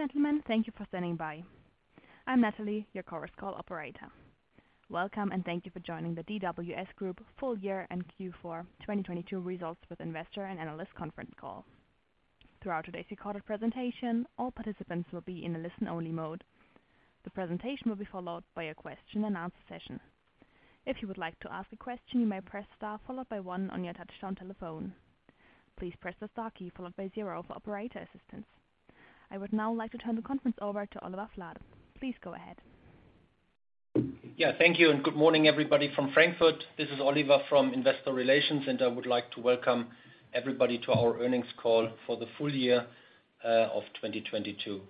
Ladies and gentlemen, thank you for standing by. I'm Natalie, your conference call operator. Welcome, and thank you for joining the DWS Group Full Year and Q4 2022 results with investor and analyst conference call. Throughout today's recorded presentation, all participants will be in a listen-only mode. The presentation will be followed by a question and answer session. If you would like to ask a question, you may press star one on your touchtone telephone. Please press the star key followed by zero for operator assistance. I would now like to turn the conference over to Oliver Flade. Please go ahead. Thank you, good morning, everybody from Frankfurt. This is Oliver from Investor Relations. I would like to welcome everybody to our earnings call for the full year of 2022.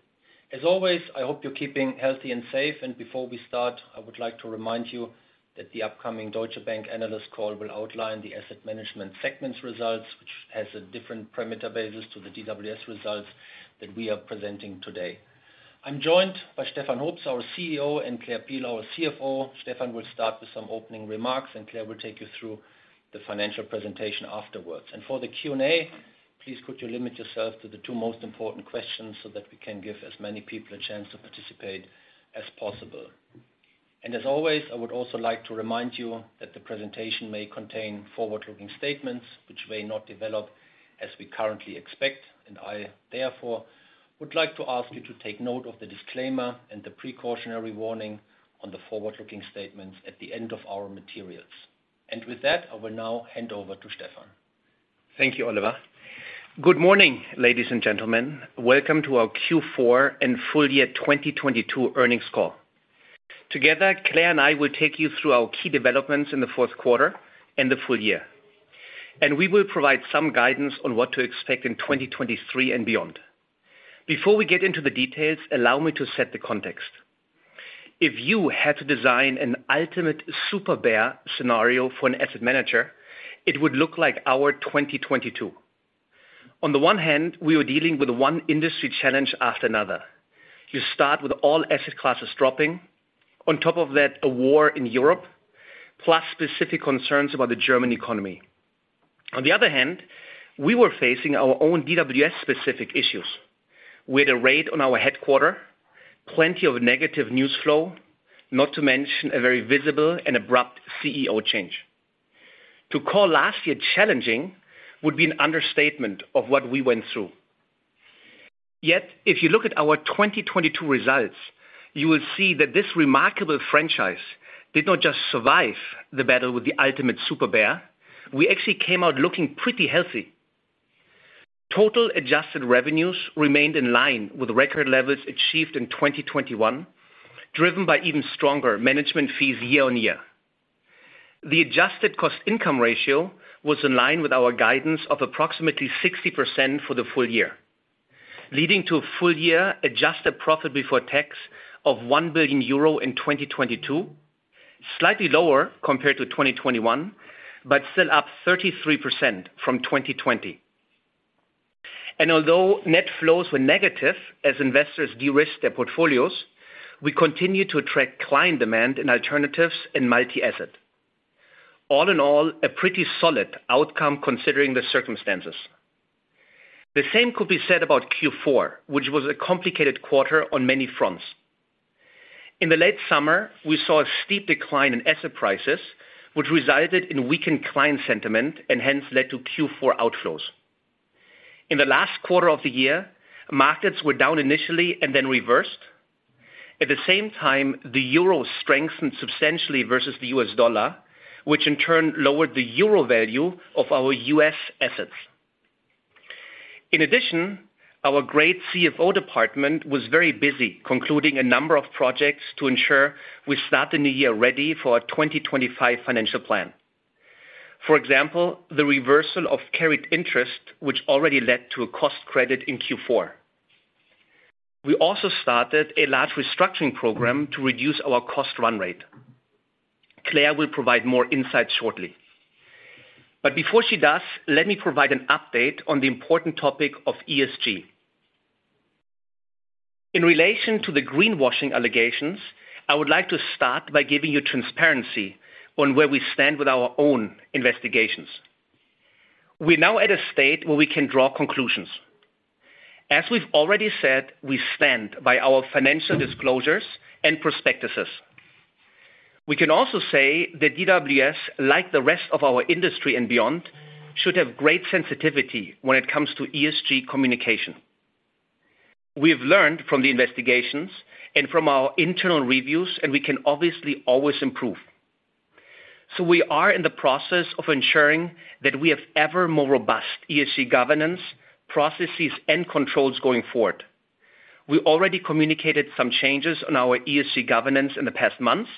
As always, I hope you're keeping healthy and safe. Before we start, I would like to remind you that the upcoming Deutsche Bank analyst call will outline the asset management segments results, which has a different parameter basis to the DWS results that we are presenting today. I'm joined by Stefan Hoops, our CEO, and Claire Peel, our CFO. Stefan will start with some opening remarks. Claire will take you through the financial presentation afterwards. For the Q&A, please could you limit yourself to the two most important questions so that we can give as many people a chance to participate as possible. As always, I would also like to remind you that the presentation may contain forward-looking statements which may not develop as we currently expect, and I, therefore, would like to ask you to take note of the disclaimer and the precautionary warning on the forward-looking statements at the end of our materials. With that, I will now hand over to Stefan. Thank you, Oliver. Good morning, ladies and gentlemen. Welcome to our Q4 and full year 2022 earnings call. Together, Claire and I will take you through our key developments in the fourth quarter and the full year. We will provide some guidance on what to expect in 2023 and beyond. Before we get into the details, allow me to set the context. If you had to design an ultimate super-bear scenario for an asset manager, it would look like our 2022. On the one hand, we were dealing with one industry challenge after another. You start with all asset classes dropping. On top of that, a war in Europe, plus specific concerns about the German economy. On the other hand, we were facing our own DWS-specific issues. We had a raid on our headquarter, plenty of negative news flow, not to mention a very visible and abrupt CEO change. To call last year challenging would be an understatement of what we went through. If you look at our 2022 results, you will see that this remarkable franchise did not just survive the battle with the ultimate super bear, we actually came out looking pretty healthy. Total adjusted revenues remained in line with record levels achieved in 2021, driven by even stronger management fees year-on-year. The adjusted cost-income ratio was in line with our guidance of approximately 60% for the full year, leading to full year adjusted profit before tax of 1 billion euro in 2022, slightly lower compared to 2021, still up 33% from 2020. Although net flows were negative as investors de-risked their portfolios, we continued to attract client demand in alternatives and multi-asset. All in all, a pretty solid outcome considering the circumstances. The same could be said about Q4, which was a complicated quarter on many fronts. In the late summer, we saw a steep decline in asset prices, which resulted in weakened client sentiment and hence led to Q4 outflows. In the last quarter of the year, markets were down initially and then reversed. At the same time, the euro strengthened substantially versus the U.S. dollar, which in turn lowered the euro value of our U.S. assets. In addition, our great CFO department was very busy concluding a number of projects to ensure we start the new year ready for our 2025 financial plan. For example, the reversal of carried interest, which already led to a cost credit in Q4. We also started a large restructuring program to reduce our cost run rate. Claire will provide more insight shortly. Before she does, let me provide an update on the important topic of ESG. In relation to the greenwashing allegations, I would like to start by giving you transparency on where we stand with our own investigations. We're now at a state where we can draw conclusions. As we've already said, we stand by our financial disclosures and prospectuses. We can also say that DWS, like the rest of our industry and beyond, should have great sensitivity when it comes to ESG communication. We have learned from the investigations and from our internal reviews, and we can obviously always improve. We are in the process of ensuring that we have ever more robust ESG governance, processes, and controls going forward. We already communicated some changes on our ESG governance in the past months.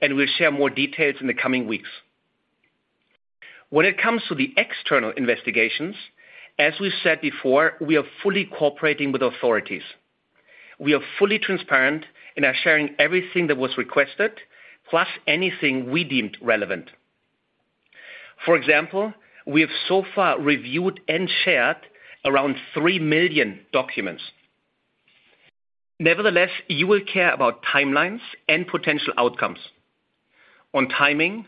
We'll share more details in the coming weeks. When it comes to the external investigations, as we said before, we are fully cooperating with authorities. We are fully transparent and are sharing everything that was requested, plus anything we deemed relevant. For example, we have so far reviewed and shared around 3 million documents. Nevertheless, you will care about timelines and potential outcomes. On timing,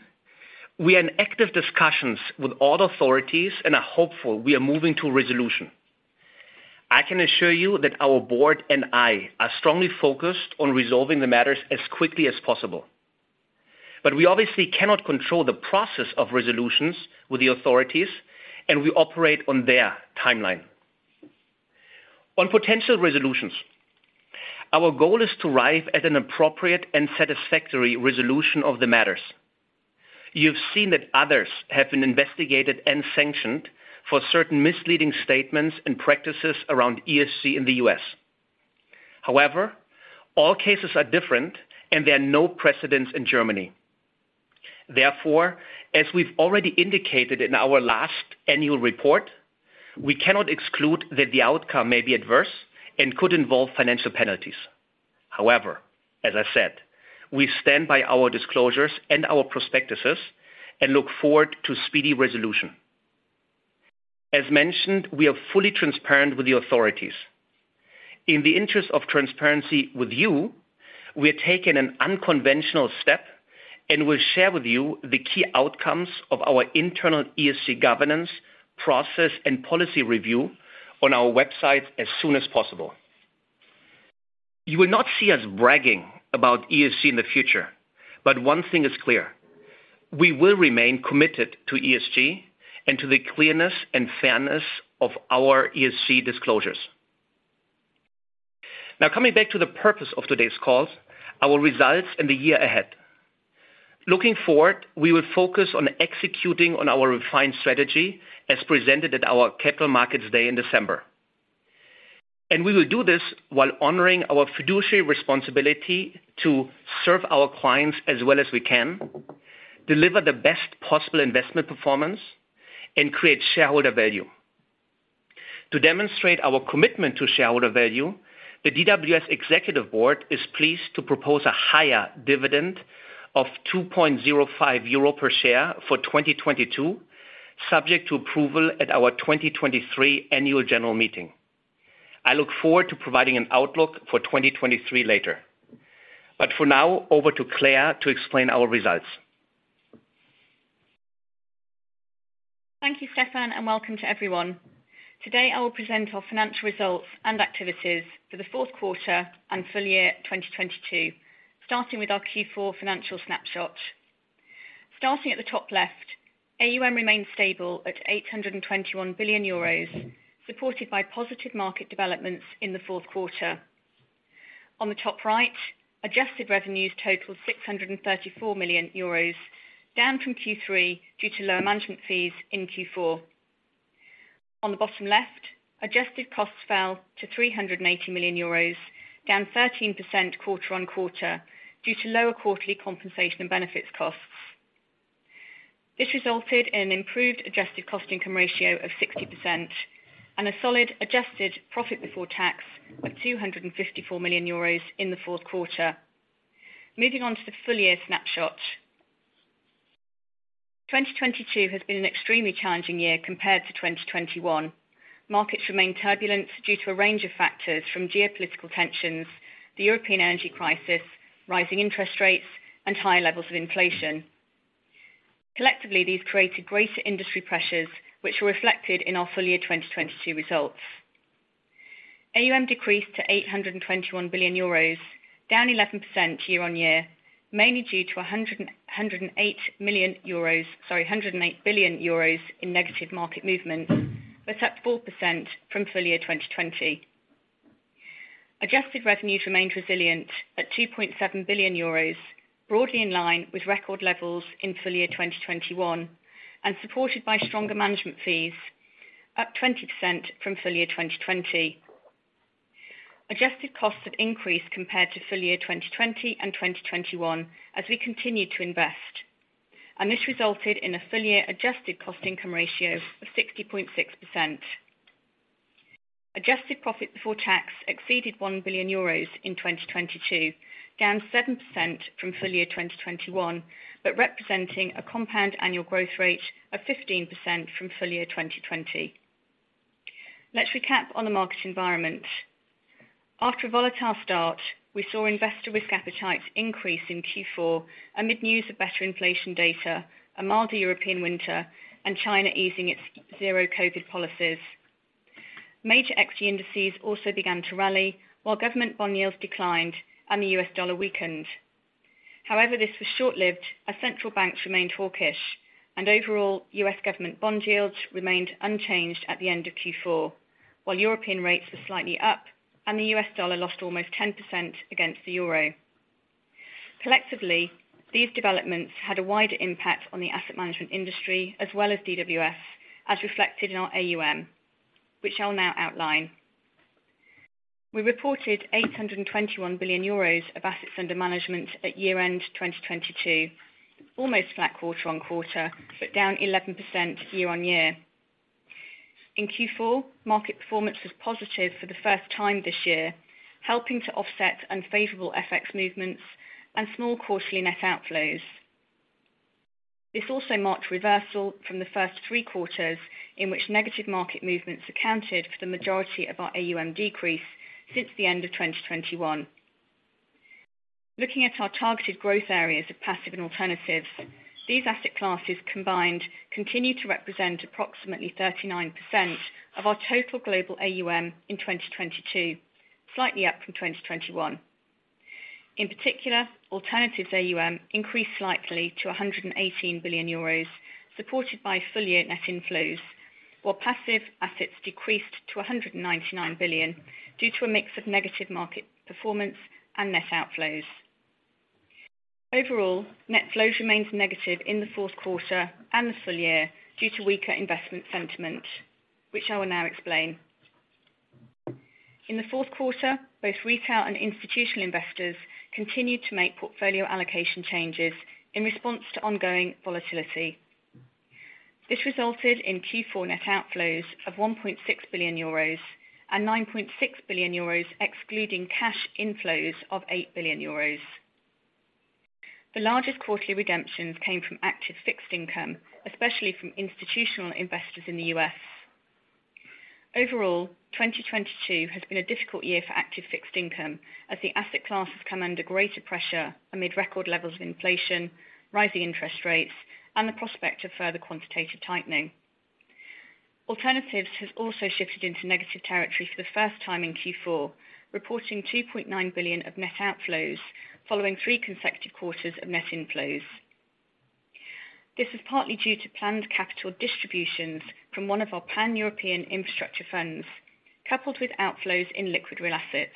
we are in active discussions with all authorities and are hopeful we are moving to a resolution. I can assure you that our board and I are strongly focused on resolving the matters as quickly as possible. We obviously cannot control the process of resolutions with the authorities. We operate on their timeline. On potential resolutions, our goal is to arrive at an appropriate and satisfactory resolution of the matters. You've seen that others have been investigated and sanctioned for certain misleading statements and practices around ESG in the U.S. However, all cases are different, and there are no precedents in Germany. Therefore, as we've already indicated in our last annual report, we cannot exclude that the outcome may be adverse and could involve financial penalties. However, as I said, we stand by our disclosures and our prospectuses and look forward to speedy resolution. As mentioned, we are fully transparent with the authorities. In the interest of transparency with you, we are taking an unconventional step and will share with you the key outcomes of our internal ESG governance process and policy review on our website as soon as possible. You will not see us bragging about ESG in the future, one thing is clear, we will remain committed to ESG and to the clearness and fairness of our ESG disclosures. Now coming back to the purpose of today's call, our results and the year ahead. Looking forward, we will focus on executing on our refined strategy as presented at our Capital Markets Day in December. We will do this while honoring our fiduciary responsibility to serve our clients as well as we can, deliver the best possible investment performance, and create shareholder value. To demonstrate our commitment to shareholder value, the DWS executive board is pleased to propose a higher dividend of 2.05 euro per share for 2022, subject to approval at our 2023 annual general meeting. I look forward to providing an outlook for 2023 later. For now, over to Claire to explain our results. Thank you, Stefan. Welcome to everyone. Today I will present our financial results and activities for the fourth quarter and full year 2022, starting with our Q4 financial snapshot. Starting at the top left, AUM remains stable at 821 billion euros, supported by positive market developments in the fourth quarter. On the top right, adjusted revenues total 634 million euros, down from Q3 due to lower management fees in Q4. On the bottom left, adjusted costs fell to 380 million euros, down 13% quarter-on-quarter due to lower quarterly compensation and benefits costs. This resulted in an improved adjusted cost-income ratio of 60% and a solid adjusted profit before tax of 254 million euros in the fourth quarter. Moving on to the full year snapshot. 2022 has been an extremely challenging year compared to 2021. Markets remain turbulent due to a range of factors from geopolitical tensions, the European energy crisis, rising interest rates, and higher levels of inflation. Collectively, these created greater industry pressures, which were reflected in our full year 2022 results. AUM decreased to 821 billion euros, down 11% year-over-year, mainly due to 108 million euros, sorry, 108 billion euros in negative market movement, but up 4% from full year 2020. Adjusted revenues remained resilient at EUR 2.7 billion, broadly in line with record levels in full year 2021 and supported by stronger management fees up 20% from full year 2020. Adjusted costs have increased compared to full year 2020 and 2021 as we continued to invest. This resulted in a full year adjusted cost-income ratio of 60.6%. Adjusted profit before tax exceeded 1 billion euros in 2022, down 7% from full year 2021, but representing a compound annual growth rate of 15% from full year 2020. Let's recap on the market environment. After a volatile start, we saw investor risk appetites increase in Q4 amid news of better inflation data, a milder European winter, and China easing its zero-COVID policies. Major equity indices also began to rally while government bond yields declined and the U.S. dollar weakened. This was short-lived as central banks remained hawkish and overall U.S. government bond yields remained unchanged at the end of Q4. While European rates were slightly up and the U.S. dollar lost almost 10% against the euro. Collectively, these developments had a wider impact on the asset management industry as well as DWS, as reflected in our AUM, which I'll now outline. We reported 821 billion euros of assets under management at year-end 2022, almost flat quarter-on-quarter, but down 11% year-on-year. In Q4, market performance was positive for the first time this year, helping to offset unfavorable FX movements and small quarterly net outflows. This also marked reversal from the first three quarters in which negative market movements accounted for the majority of our AUM decrease since the end of 2021. Looking at our targeted growth areas of passive and alternatives, these asset classes combined continue to represent approximately 39% of our total global AUM in 2022, slightly up from 2021. In particular, alternatives AUM increased slightly to 118 billion euros, supported by full year net inflows, while passive assets decreased to 199 billion due to a mix of negative market performance and net outflows. Overall, net flows remained negative in the fourth quarter and the full year due to weaker investment sentiment, which I will now explain. In the fourth quarter, both retail and institutional investors continued to make portfolio allocation changes in response to ongoing volatility. This resulted in Q4 net outflows of 1.6 billion euros and 9.6 billion euros excluding cash inflows of 8 billion euros. The largest quarterly redemptions came from active fixed income, especially from institutional investors in the U.S. Overall, 2022 has been a difficult year for active fixed income as the asset class has come under greater pressure amid record levels of inflation, rising interest rates and the prospect of further quantitative tightening. Alternatives has also shifted into negative territory for the first time in Q4, reporting 2.9 billion of net outflows following three consecutive quarters of net inflows. This is partly due to planned capital distributions from one of our pan-European infrastructure funds, coupled with outflows in liquid real assets.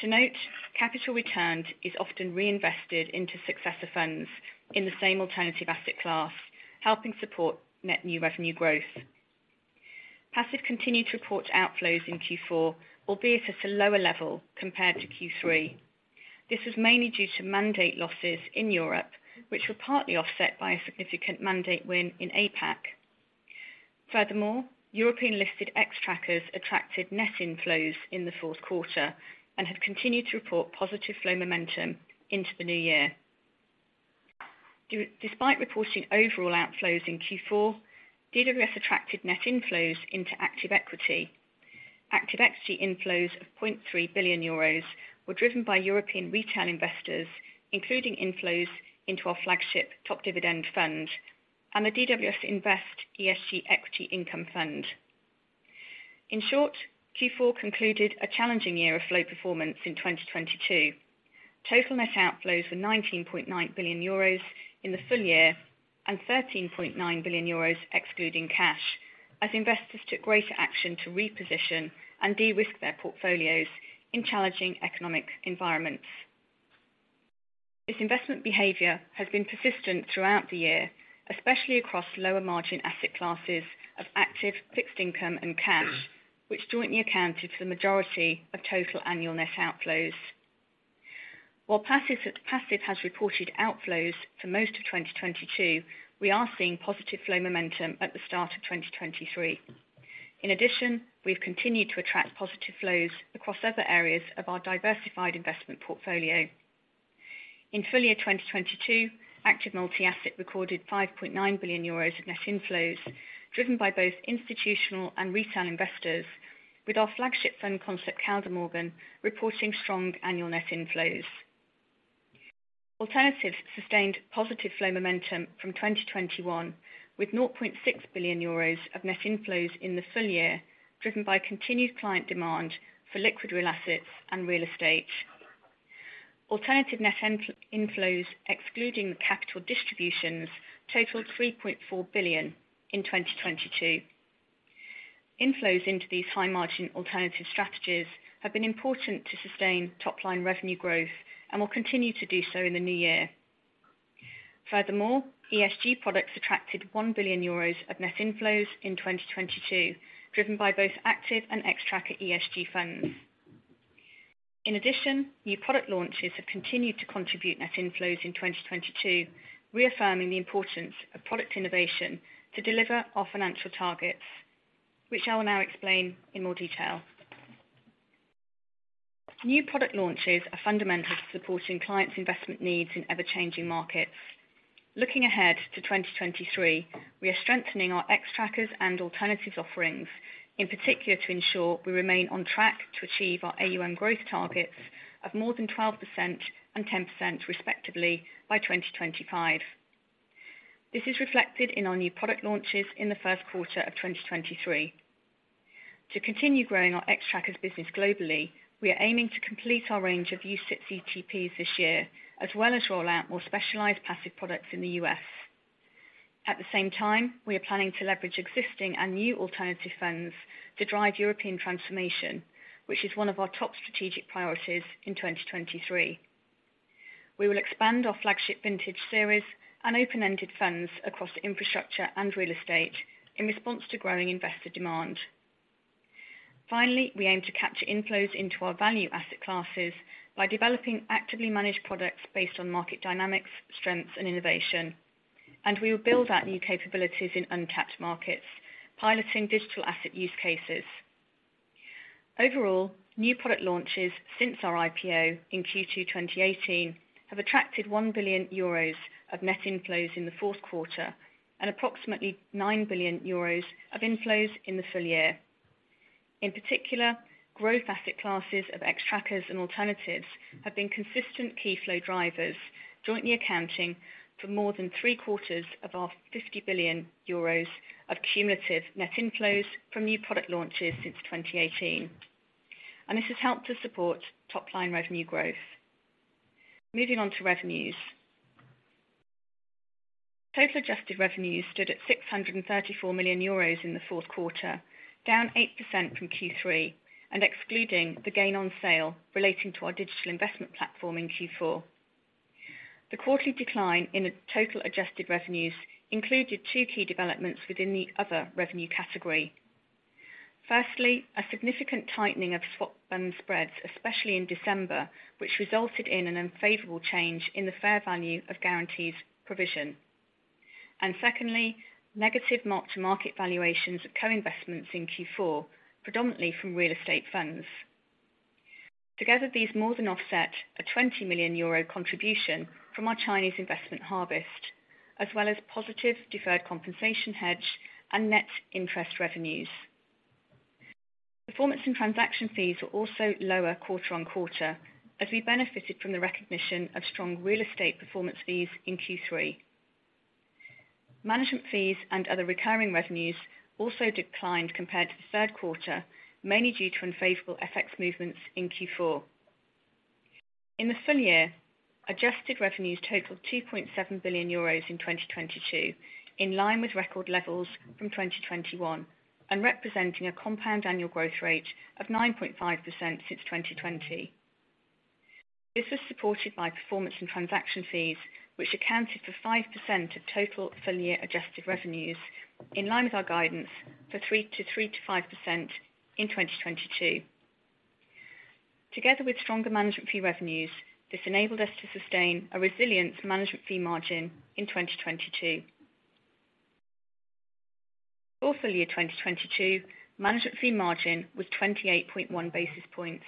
To note, capital returned is often reinvested into successor funds in the same alternative asset class, helping support net new revenue growth. Passive continued to report outflows in Q4, albeit at a lower level compared to Q3. This was mainly due to mandate losses in Europe, which were partly offset by a significant mandate win in APAC. Furthermore, European-listed Xtrackers attracted net inflows in the fourth quarter and have continued to report positive flow momentum into the new year. Despite reporting overall outflows in Q4, DWS attracted net inflows into active equity. Active equity inflows of 0.3 billion euros were driven by European retail investors, including inflows into our flagship Top Dividend Fund and the DWS Invest ESG Equity Income Fund. In short, Q4 concluded a challenging year of flow performance in 2022. Total net outflows were 19.9 billion euros in the full year and 13.9 billion euros excluding cash, as investors took greater action to reposition and de-risk their portfolios in challenging economic environments. This investment behavior has been persistent throughout the year, especially across lower margin asset classes of active fixed income and cash, which jointly accounted for the majority of total annual net outflows. While passive has reported outflows for most of 2022, we are seeing positive flow momentum at the start of 2023. In addition, we've continued to attract positive flows across other areas of our diversified investment portfolio. In full year 2022, active multi-asset recorded 5.9 billion euros of net inflows driven by both institutional and retail investors. With our flagship fund concept, Kaldemorgen, reporting strong annual net inflows. Alternatives sustained positive flow momentum from 2021 with 0.6 billion euros of net inflows in the full year, driven by continued client demand for liquid real assets and real estate. Alternative net inflows excluding the capital distributions totaled 3.4 billion in 2022. Inflows into these high-margin alternative strategies have been important to sustain top line revenue growth and will continue to do so in the new year. ESG products attracted 1 billion euros of net inflows in 2022, driven by both active and Xtrackers ESG funds. New product launches have continued to contribute net inflows in 2022, reaffirming the importance of product innovation to deliver our financial targets, which I will now explain in more detail. New product launches are fundamental to supporting clients' investment needs in ever-changing markets. Looking ahead to 2023, we are strengthening our Xtrackers and alternatives offerings, in particular, to ensure we remain on track to achieve our AUM growth targets of more than 12% and 10% respectively by 2025. This is reflected in our new product launches in the first quarter of 2023. To continue growing our Xtrackers business globally, we are aiming to complete our range of UCITS ETPs this year, as well as roll out more specialized passive products in the U.S. At the same time, we are planning to leverage existing and new alternative funds to drive European transformation, which is one of our top strategic priorities in 2023. We will expand our flagship vintage series and open-ended funds across infrastructure and real estate in response to growing investor demand. Finally, we aim to capture inflows into our value asset classes by developing actively managed products based on market dynamics, strengths and innovation. We will build out new capabilities in untapped markets, piloting digital asset use cases. Overall, new product launches since our IPO in Q2 2018 have attracted 1 billion euros of net inflows in the fourth quarter and approximately 9 billion euros of inflows in the full year. In particular, growth asset classes of Xtrackers and alternatives have been consistent key flow drivers, jointly accounting for more than three-quarters of our 50 billion euros of cumulative net inflows from new product launches since 2018. This has helped to support top line revenue growth. Moving on to revenues. Total adjusted revenues stood at 634 million euros in the fourth quarter, down 8% from Q3, and excluding the gain on sale relating to our digital investment platform in Q4. The quarterly decline in the total adjusted revenues included two key developments within the other revenue category. Firstly, a significant tightening of swap fund spreads, especially in December, which resulted in an unfavorable change in the fair value of guarantees provision. Secondly, negative mark-to-market valuations of co-investments in Q4, predominantly from real estate funds. Together, these more than offset a EUR 20 million contribution from our Chinese investment Harvest, as well as positive deferred compensation hedge and net interest revenues. Performance and transaction fees were also lower quarter-on-quarter as we benefited from the recognition of strong real estate performance fees in Q3. Management fees and other recurring revenues also declined compared to the third quarter, mainly due to unfavorable FX movements in Q4. In the full year, adjusted revenues totaled 2.7 billion euros in 2022, in line with record levels from 2021 and representing a compound annual growth rate of 9.5% since 2020. This was supported by performance and transaction fees, which accounted for 5% of total full year adjusted revenues in line with our guidance for 3%-5% in 2022. Together with stronger management fee revenues, this enabled us to sustain a resilience management fee margin in 2022. Full year 2022 management fee margin was 28.1 basis points,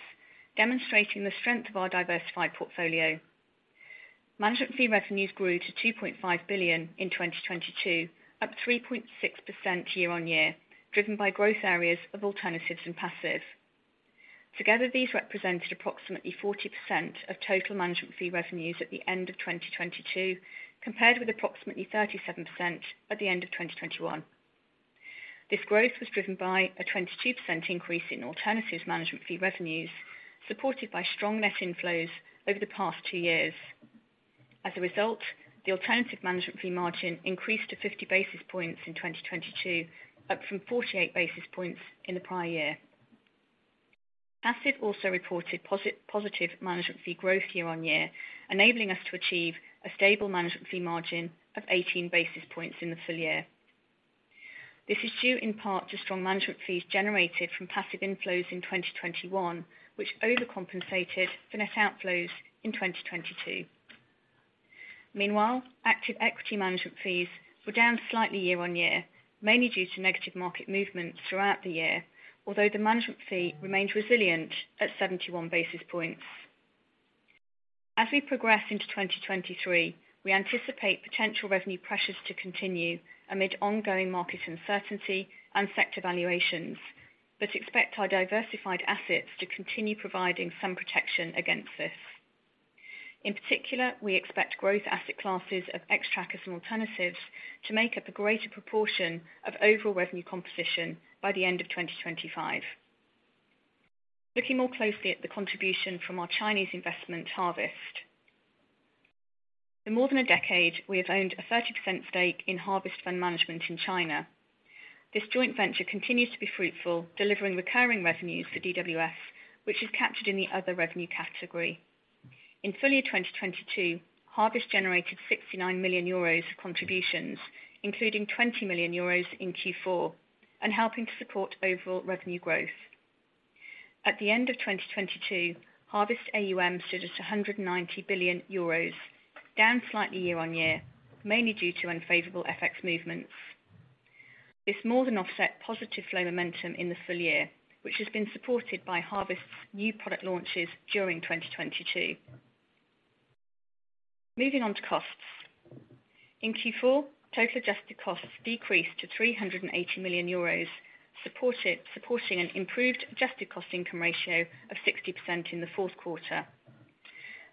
demonstrating the strength of our diversified portfolio. Management fee revenues grew to 2.5 billion in 2022, up 3.6% year-on-year, driven by growth areas of alternatives and passive. Together, these represented approximately 40% of total management fee revenues at the end of 2022, compared with approximately 37% at the end of 2021. This growth was driven by a 22% increase in alternatives management fee revenues, supported by strong net inflows over the past two years. As a result, the alternative management fee margin increased to 50 basis points in 2022, up from 48 basis points in the prior year. Passive also reported positive management fee growth year-over-year, enabling us to achieve a stable management fee margin of 18 basis points in the full year. This is due in part to strong management fees generated from passive inflows in 2021, which overcompensated for net outflows in 2022. Meanwhile, active equity management fees were down slightly year-over-year, mainly due to negative market movements throughout the year. Although the management fee remained resilient at 71 basis points. As we progress into 2023, we anticipate potential revenue pressures to continue amid ongoing market uncertainty and sector valuations, but expect our diversified assets to continue providing some protection against this. In particular, we expect growth asset classes of Xtrackers and alternatives to make up a greater proportion of overall revenue composition by the end of 2025. Looking more closely at the contribution from our Chinese investment Harvest. For more than a decade, we have owned a 30% stake in Harvest Fund Management in China. This joint venture continues to be fruitful, delivering recurring revenues for DWS, which is captured in the other revenue category. In full year 2022, Harvest generated 69 million euros of contributions, including 20 million euros in Q4, and helping to support overall revenue growth. At the end of 2022, Harvest AUM stood at EUR 190 billion, down slightly year-on-year, mainly due to unfavorable FX movements. This more than offset positive flow momentum in the full year, which has been supported by Harvest's new product launches during 2022. Moving on to costs. In Q4, total adjusted costs decreased to 380 million euros, supporting an improved adjusted cost income ratio of 60% in the fourth quarter.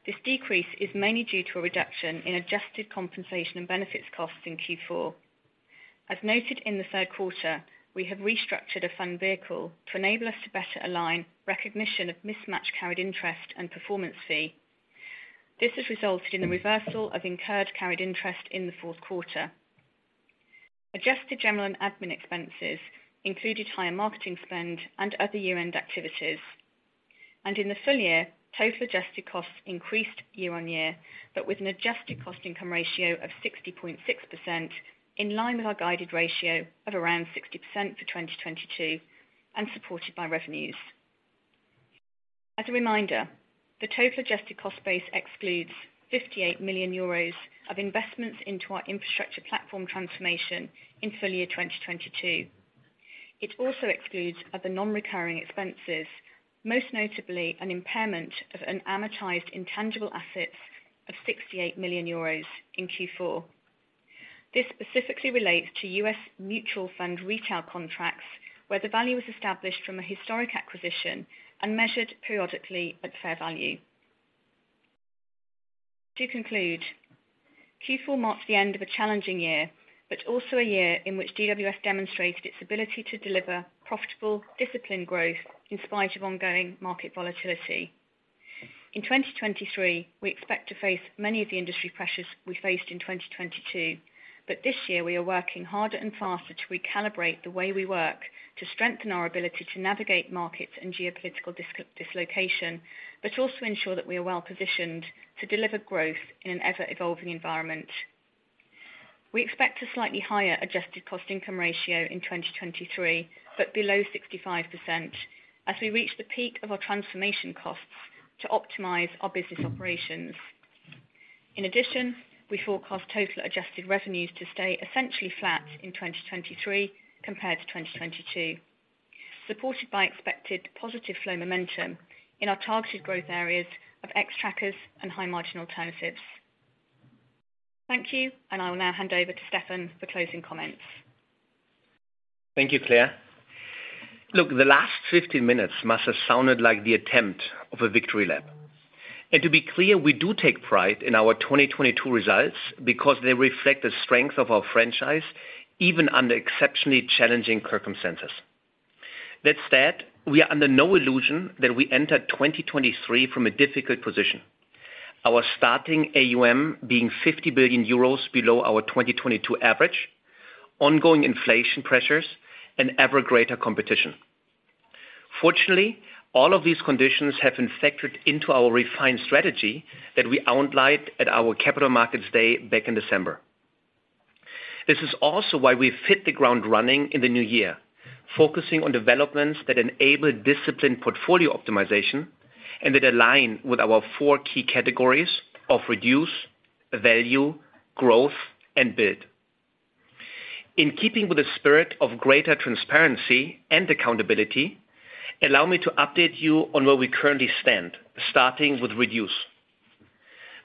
This decrease is mainly due to a reduction in adjusted compensation and benefits costs in Q4. As noted in the third quarter, we have restructured a fund vehicle to enable us to better align recognition of mismatched carried interest and performance fee. This has resulted in the reversal of incurred carried interest in the fourth quarter. Adjusted general and admin expenses included higher marketing spend and other year-end activities. In the full year, total adjusted costs increased year-over-year, but with an adjusted cost-income ratio of 60.6% in line with our guided ratio of around 60% for 2022 and supported by revenues. As a reminder, the total adjusted cost base excludes 58 million euros of investments into our infrastructure platform transformation in full year 2022. It also excludes other non-recurring expenses, most notably an impairment of an amortized intangible assets of 68 million euros in Q4. This specifically relates to U.S. mutual fund retail contracts, where the value was established from a historic acquisition and measured periodically at fair value. To conclude, Q4 marks the end of a challenging year, but also a year in which DWS demonstrated its ability to deliver profitable, disciplined growth in spite of ongoing market volatility. In 2023, we expect to face many of the industry pressures we faced in 2022, but this year we are working harder and faster to recalibrate the way we work to strengthen our ability to navigate markets and geopolitical dislocation, but also ensure that we are well positioned to deliver growth in an ever-evolving environment. We expect a slightly higher adjusted cost-income ratio in 2023, but below 65% as we reach the peak of our transformation costs to optimize our business operations. In addition, we forecast total adjusted revenues to stay essentially flat in 2023 compared to 2022, supported by expected positive flow momentum in our targeted growth areas of Xtrackers and high margin alternatives. Thank you, and I will now hand over to Stefan for closing comments. Thank you, Claire. Look, the last 15 minutes must have sounded like the attempt of a victory lap. To be clear, we do take pride in our 2022 results because they reflect the strength of our franchise, even under exceptionally challenging circumstances. That said, we are under no illusion that we enter 2023 from a difficult position. Our starting AUM being 50 billion euros below our 2022 average, ongoing inflation pressures and ever greater competition. Fortunately, all of these conditions have been factored into our refined strategy that we outlined at our Capital Markets Day back in December. This is also why we fit the ground running in the new year, focusing on developments that enable disciplined portfolio optimization and that align with our four key categories of reduce, value, growth, and build. In keeping with the spirit of greater transparency and accountability, allow me to update you on where we currently stand, starting with reduce.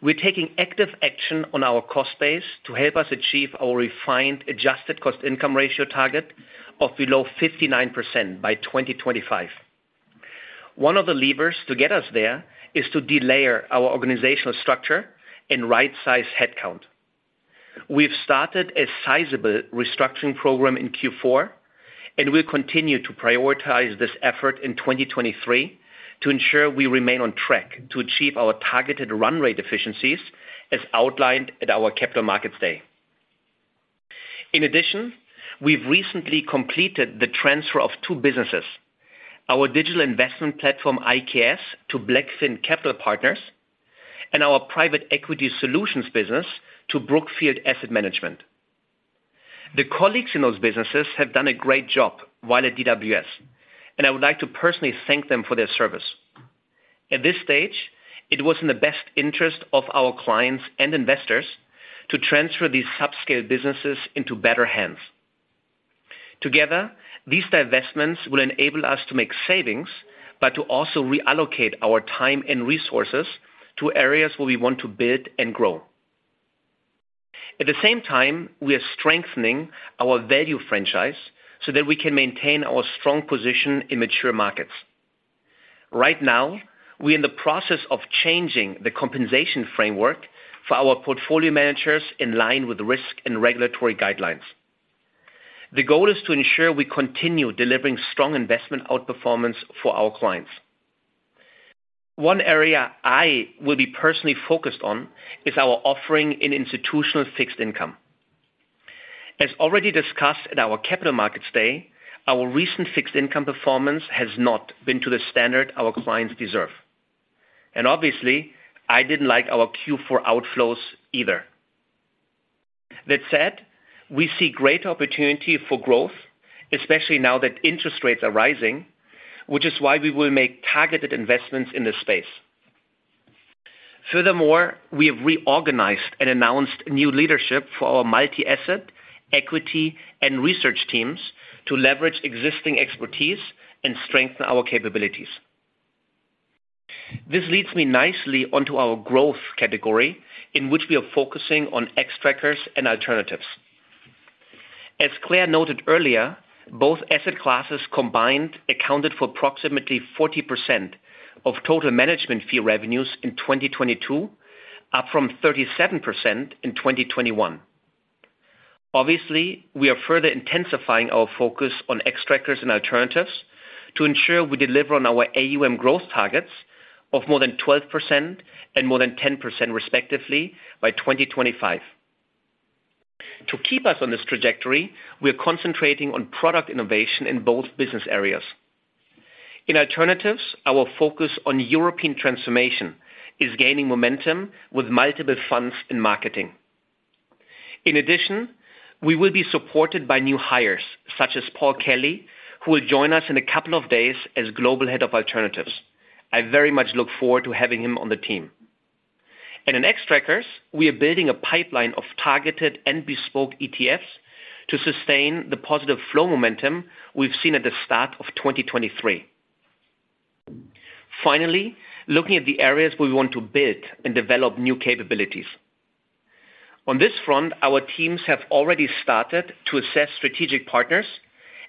We're taking active action on our cost base to help us achieve our refined adjusted cost-income ratio target of below 59% by 2025. One of the levers to get us there is to delayer our organizational structure and right-size headcount. We've started a sizable restructuring program in Q4, and we'll continue to prioritize this effort in 2023 to ensure we remain on track to achieve our targeted run rate efficiencies as outlined at our Capital Markets Day. In addition, we've recently completed the transfer of two businesses, our digital investment platform, IKS, to BlackFin Capital Partners, and our private equity solutions business to Brookfield Asset Management. The colleagues in those businesses have done a great job while at DWS, and I would like to personally thank them for their service. At this stage, it was in the best interest of our clients and investors to transfer these subscale businesses into better hands. Together, these divestments will enable us to make savings, but to also reallocate our time and resources to areas where we want to build and grow. At the same time, we are strengthening our value franchise so that we can maintain our strong position in mature markets. Right now, we're in the process of changing the compensation framework for our portfolio managers in line with risk and regulatory guidelines. The goal is to ensure we continue delivering strong investment outperformance for our clients. One area I will be personally focused on is our offering in institutional fixed income. As already discussed at our Capital Markets Day, our recent fixed income performance has not been to the standard our clients deserve. Obviously, I didn't like our Q4 outflows either. That said, we see great opportunity for growth, especially now that interest rates are rising, which is why we will make targeted investments in this space. Furthermore, we have reorganized and announced new leadership for our multi-asset, equity, and research teams to leverage existing expertise and strengthen our capabilities. This leads me nicely onto our growth category in which we are focusing on Xtrackers and alternatives. As Claire noted earlier, both asset classes combined accounted for approximately 40% of total management fee revenues in 2022, up from 37% in 2021. Obviously, we are further intensifying our focus on Xtrackers and alternatives to ensure we deliver on our AUM growth targets of more than 12% and more than 10%, respectively, by 2025. To keep us on this trajectory, we're concentrating on product innovation in both business areas. In alternatives, our focus on European transformation is gaining momentum with multiple funds in marketing. In addition, we will be supported by new hires such as Paul Kelly, who will join us in a couple of days as Global Head of Alternatives. I very much look forward to having him on the team. In Xtrackers, we are building a pipeline of targeted and bespoke ETFs to sustain the positive flow momentum we've seen at the start of 2023. Finally, looking at the areas where we want to build and develop new capabilities. On this front, our teams have already started to assess strategic partners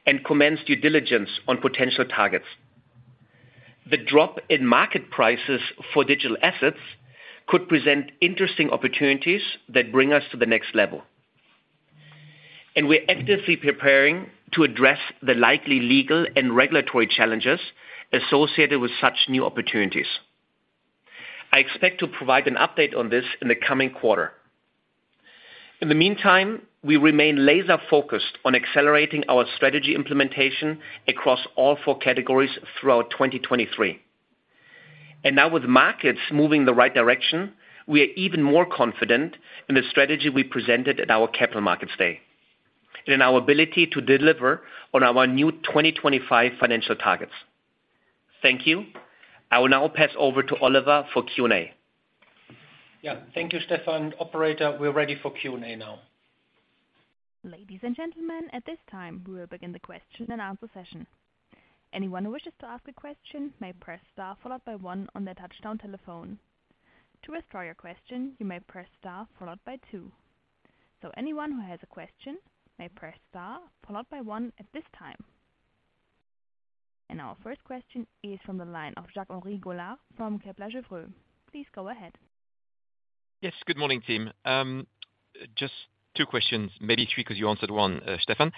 and commence due diligence on potential targets. The drop in market prices for digital assets could present interesting opportunities that bring us to the next level. We're actively preparing to address the likely legal and regulatory challenges associated with such new opportunities. I expect to provide an update on this in the coming quarter. In the meantime, we remain laser-focused on accelerating our strategy implementation across all four categories throughout 2023. Now with markets moving the right direction, we are even more confident in the strategy we presented at our Capital Markets Day and in our ability to deliver on our new 2025 financial targets. Thank you. I will now pass over to Oliver for Q&A. Yeah. Thank you, Stefan. Operator, we're ready for Q&A now. Ladies and gentlemen, at this time, we will begin the question and answer session. Anyone who wishes to ask a question may press star followed by one on their touch-tone telephone. To withdraw your question, you may press star followed by two. Anyone who has a question may press star followed by one at this time. Our first question is from the line of Jacques-Henri Gaulard from Kepler Cheuvreux. Please go ahead. Yes, good morning, team. Just two questions, maybe three, because you answered one, Stefan.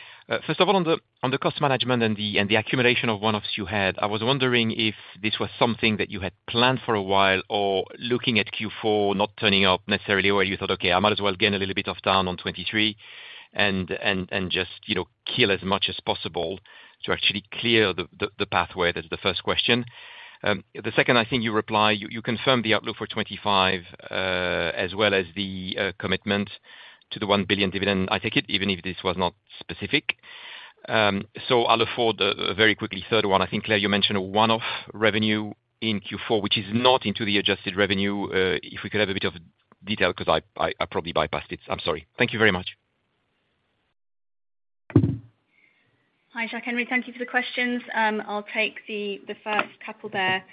First of all, on the cost management and the accumulation of one-offs you had, I was wondering if this was something that you had planned for a while or looking at Q4 not turning up necessarily where you thought, "Okay, I might as well gain a little bit of down on 2023 and just, you know, kill as much as possible to actually clear the pathway." That's the first question. The second, I think you confirmed the outlook for 2025, as well as the commitment to the 1 billion dividend, I take it, even if this was not specific. I'll afford a very quickly third one. I think, Claire, you mentioned a one-off revenue in Q4, which is not into the adjusted revenue. If we could have a bit of detail because I probably bypassed it. I'm sorry. Thank you very much. Hi, Jacques-Henri. Thank you for the questions. I'll take the first couple there.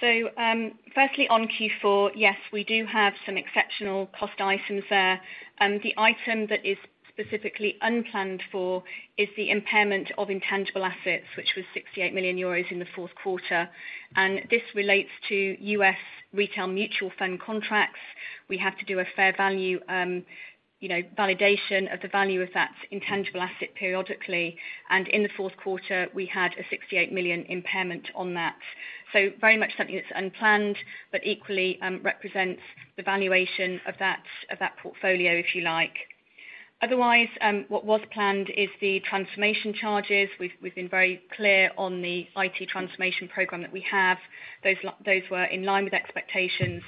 Firstly on Q4, yes, we do have some exceptional cost items there. The item that is specifically unplanned for is the impairment of intangible assets, which was 68 million euros in the fourth quarter, and this relates to U.S. retail mutual fund contracts. We have to do a fair value, you know, validation of the value of that intangible asset periodically. In the fourth quarter, we had a 68 million impairment on that. Very much something that's unplanned, but equally, represents the valuation of that portfolio, if you like. Otherwise, what was planned is the transformation charges. We've been very clear on the IT transformation program that we have. Those were in line with expectations.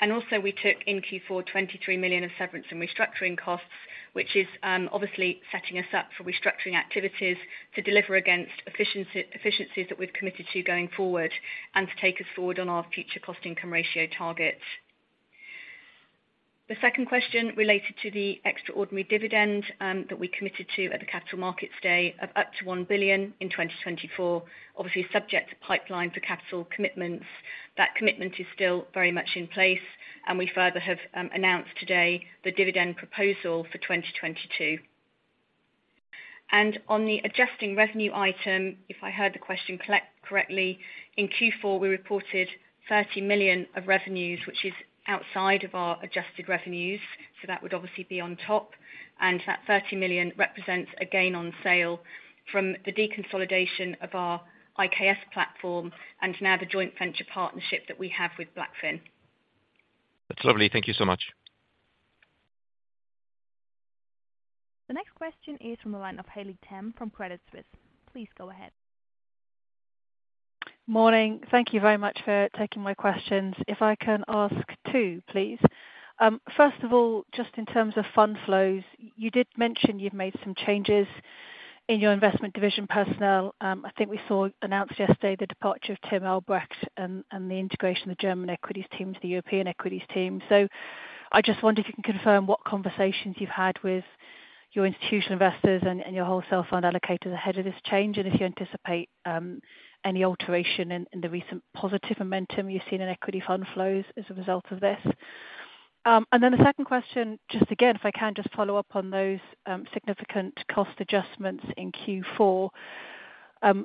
We took in Q4, 23 million of severance and restructuring costs, which is obviously setting us up for restructuring activities to deliver against efficiencies that we've committed to going forward and to take us forward on our future cost-income ratio targets. The second question related to the extraordinary dividend that we committed to at the Capital Markets Day of up to 1 billion in 2024, obviously subject to pipeline for capital commitments. That commitment is still very much in place. We further have announced today the dividend proposal for 2022. On the adjusting revenue item, if I heard the question correctly, in Q4, we reported 30 million of revenues, which is outside of our adjusted revenues. That would obviously be on top. That 30 million represents a gain on sale from the deconsolidation of our IKS platform and now the joint venture partnership that we have with BlackFin. That's lovely. Thank you so much. The next question is from the line of Haley Tam from Credit Suisse. Please go ahead. Morning. Thank you very much for taking my questions. If I can ask two, please. First of all, just in terms of fund flows, you did mention you've made some changes in your investment division personnel. I think we saw announced yesterday the departure of Tim Albrecht and the integration of the German equities team to the European equities team. I just wonder if you can confirm what conversations you've had with your institutional investors and your wholesale fund allocators ahead of this change, and if you anticipate any alteration in the recent positive momentum you've seen in equity fund flows as a result of this. The second question, just again, if I can just follow up on those, significant cost adjustments in Q4.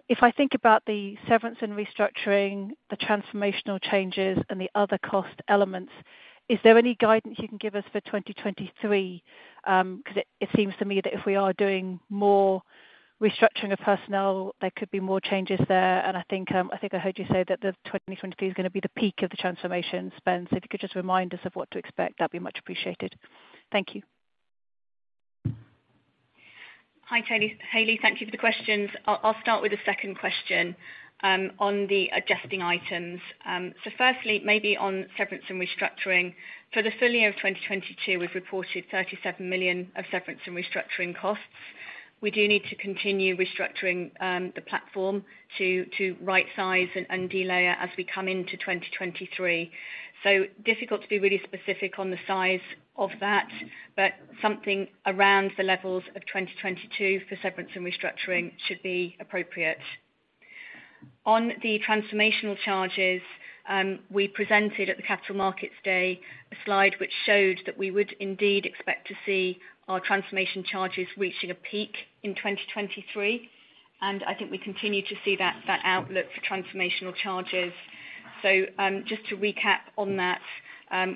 if I think about the severance and restructuring, the transformational changes and the other cost elements, is there any guidance you can give us for 2023? 'cause it seems to me that if we are doing more restructuring of personnel, there could be more changes there. I think I heard you say that the 2023 is gonna be the peak of the transformation spend. if you could just remind us of what to expect, that'd be much appreciated. Thank you. Hi, Haley. Thank you for the questions. I'll start with the second question on the adjusting items. Firstly, maybe on severance and restructuring. For the full year of 2022, we've reported 37 million of severance and restructuring costs. We do need to continue restructuring the platform to right size and delayer as we come into 2023. Difficult to be really specific on the size of that, but something around the levels of 2022 for severance and restructuring should be appropriate. On the transformational charges, we presented at the Capital Markets Day a slide which showed that we would indeed expect to see our transformation charges reaching a peak in 2023, I think we continue to see that outlook for transformational charges. Just to recap on that,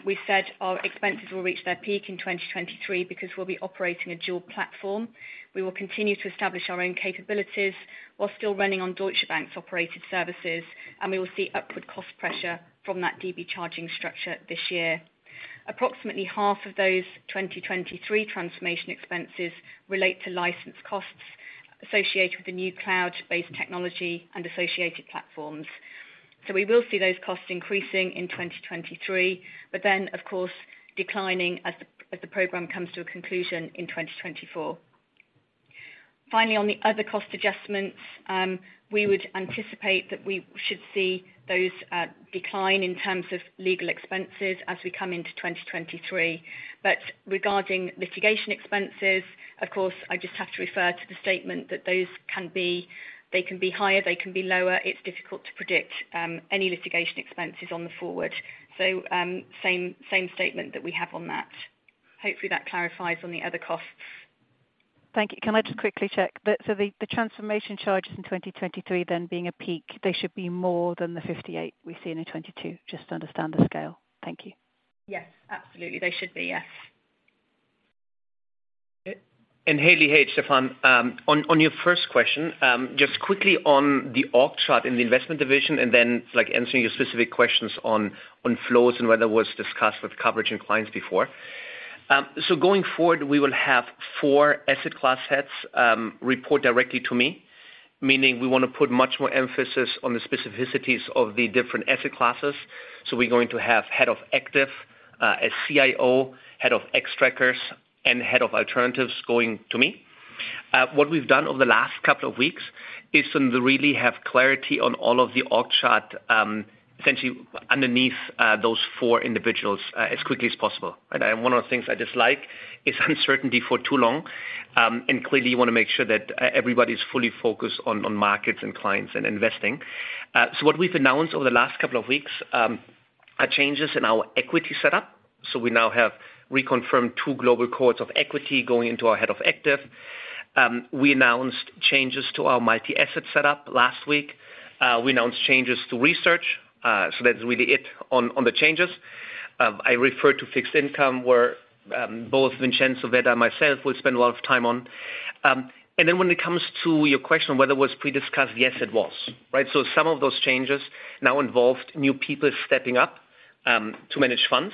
we said our expenses will reach their peak in 2023 because we'll be operating a dual platform. We will continue to establish our own capabilities while still running on Deutsche Bank's operated services, and we will see upward cost pressure from that DB charging structure this year. Approximately half of those 2023 transformation expenses relate to license costs associated with the new cloud-based technology and associated platforms. We will see those costs increasing in 2023, of course declining as the program comes to a conclusion in 2024. On the other cost adjustments, we would anticipate that we should see those decline in terms of legal expenses as we come into 2023. Regarding litigation expenses, of course, I just have to refer to the statement that those can be... They can be higher, they can be lower. It's difficult to predict any litigation expenses on the forward. Same statement that we have on that. Hopefully, that clarifies on the other costs. Thank you. Can I just quickly check? The transformation charges in 2023 then being a peak, they should be more than 58 million we see in 2022, just to understand the scale. Thank you. Yes, absolutely. They should be, yes. Haley, hey, it's Stefan. On your first question, just quickly on the org chart in the investment division and then like answering your specific questions on flows and whether it was discussed with coverage and clients before. Going forward, we will have four asset class heads report directly to me, meaning we wanna put much more emphasis on the specificities of the different asset classes. We're going to have head of active, a CIO, head of Xtrackers, and head of alternatives going to me. What we've done over the last couple of weeks is to really have clarity on all of the org chart essentially underneath those four individuals as quickly as possible. One of the things I dislike is uncertainty for too long. Clearly you wanna make sure that everybody's fully focused on markets and clients and investing. What we've announced over the last couple of weeks are changes in our equity setup. We now have reconfirmed two global cohorts of equity going into our head of active. We announced changes to our multi-asset setup last week. We announced changes to research, that's really it on the changes. I referred to fixed income, where both Vincenzo Vedda, and myself will spend a lot of time on. When it comes to your question on whether it was pre-discussed, yes, it was. Right? Some of those changes now involved new people stepping up to manage funds.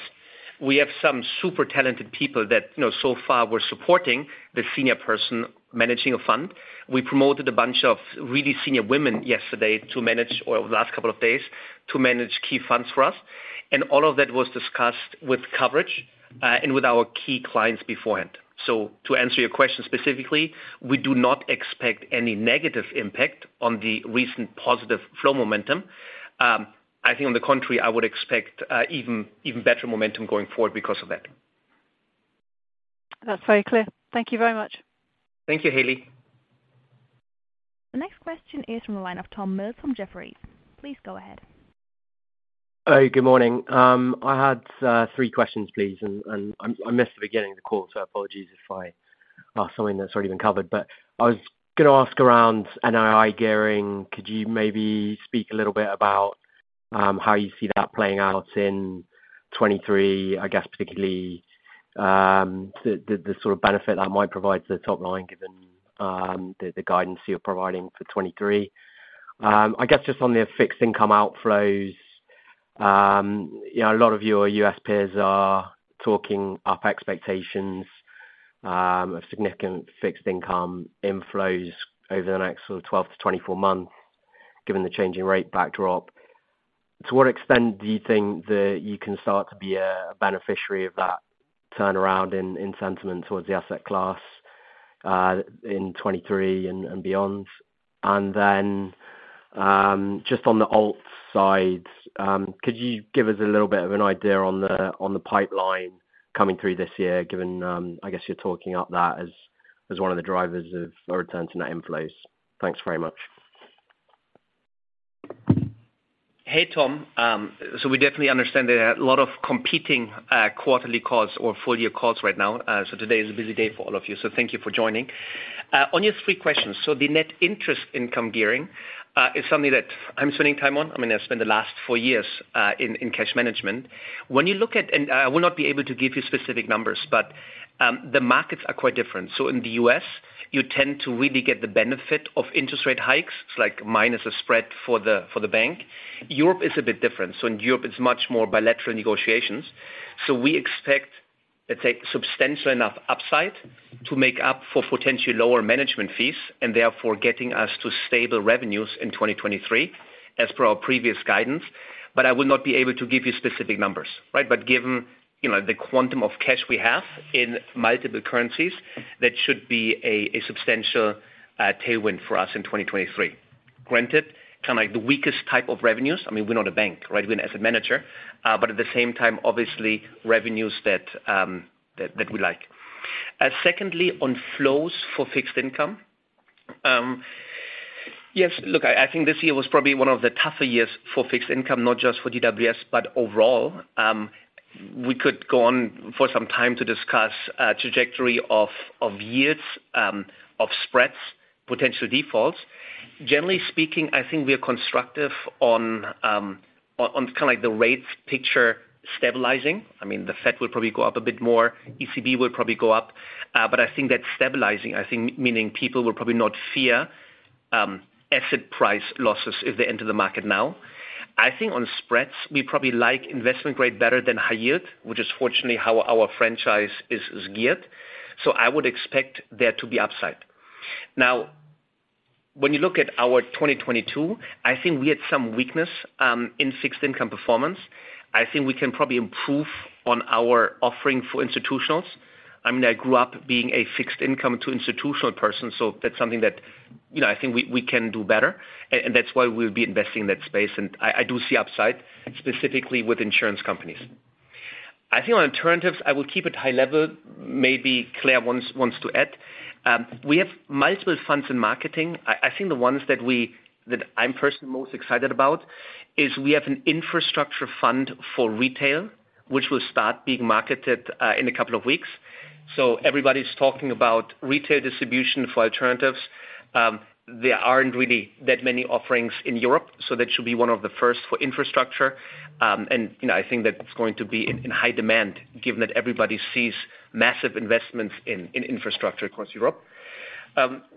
We have some super talented people that, you know, so far were supporting the senior person managing a fund. We promoted a bunch of really senior women yesterday to manage, or the last couple of days, to manage key funds for us. All of that was discussed with coverage and with our key clients beforehand. To answer your question specifically, we do not expect any negative impact on the recent positive flow momentum. I think on the contrary, I would expect even better momentum going forward because of that. That's very clear. Thank you very much. Thank you, Haley. The next question is from the line of Tom Mills from Jefferies. Please go ahead. Hi, good morning. I had three questions, please. I missed the beginning of the call, so apologies if I something that's already been covered. I was gonna ask around NII gearing. Could you maybe speak a little bit about how you see that playing out in 2023? I guess particularly the sort of benefit that might provide to the top line given the guidance you're providing for 2023. I guess just on the fixed income outflows, you know, a lot of your U.S. peers are talking up expectations of significant fixed income inflows over the next sort of 12-24 months given the changing rate backdrop. To what extent do you think that you can start to be a beneficiary of that turnaround in sentiment towards the asset class in 23 and beyond? Just on the alt side, could you give us a little bit of an idea on the pipeline coming through this year, given I guess you're talking up that as one of the drivers of a return to net inflows? Thanks very much. Hey, Tom. We definitely understand there are a lot of competing quarterly calls or full year calls right now. Today is a busy day for all of you. Thank you for joining. On your three questions. The net interest income gearing is something that I'm spending time on. I mean, I've spent the last four years in cash management. I will not be able to give you specific numbers, but the markets are quite different. In the U.S., you tend to really get the benefit of interest rate hikes. It's like minus a spread for the bank. Europe is a bit different. In Europe, it's much more bilateral negotiations. We expect, let's say substantial enough upside to make up for potentially lower management fees and therefore getting us to stable revenues in 2023 as per our previous guidance. I will not be able to give you specific numbers, right? Given, you know, the quantum of cash we have in multiple currencies, that should be a substantial tailwind for us in 2023. Granted, kind of like the weakest type of revenues. I mean, we're not a bank, right? We're as a manager, but at the same time obviously revenues that we like. Secondly, on flows for fixed income. Yes, look, I think this year was probably one of the tougher years for fixed income, not just for DWS, but overall. We could go on for some time to discuss a trajectory of years, of spreads, potential defaults. Generally speaking, I think we are constructive on kinda like the rates picture stabilizing. I mean, the Fed will probably go up a bit more. ECB will probably go up. But I think that's stabilizing. I think meaning people will probably not fear asset price losses if they enter the market now. I think on spreads, we probably like investment grade better than high yield, which is fortunately how our franchise is geared. I would expect there to be upside. When you look at our 2022, I think we had some weakness in fixed income performance. I think we can probably improve on our offering for institutionals. I mean, I grew up being a fixed income to institutional person, so that's something that, you know, I think we can do better. That's why we'll be investing in that space. I do see upside specifically with insurance companies. I think on alternatives, I will keep it high level. Maybe Claire wants to add. We have multiple funds in marketing. I think the ones that I'm personally most excited about is we have an infrastructure fund for retail, which will start being marketed in a couple of weeks. Everybody's talking about retail distribution for alternatives. There aren't really that many offerings in Europe, so that should be one of the first for infrastructure. You know, I think that it's going to be in high demand given that everybody sees massive investments in infrastructure across Europe.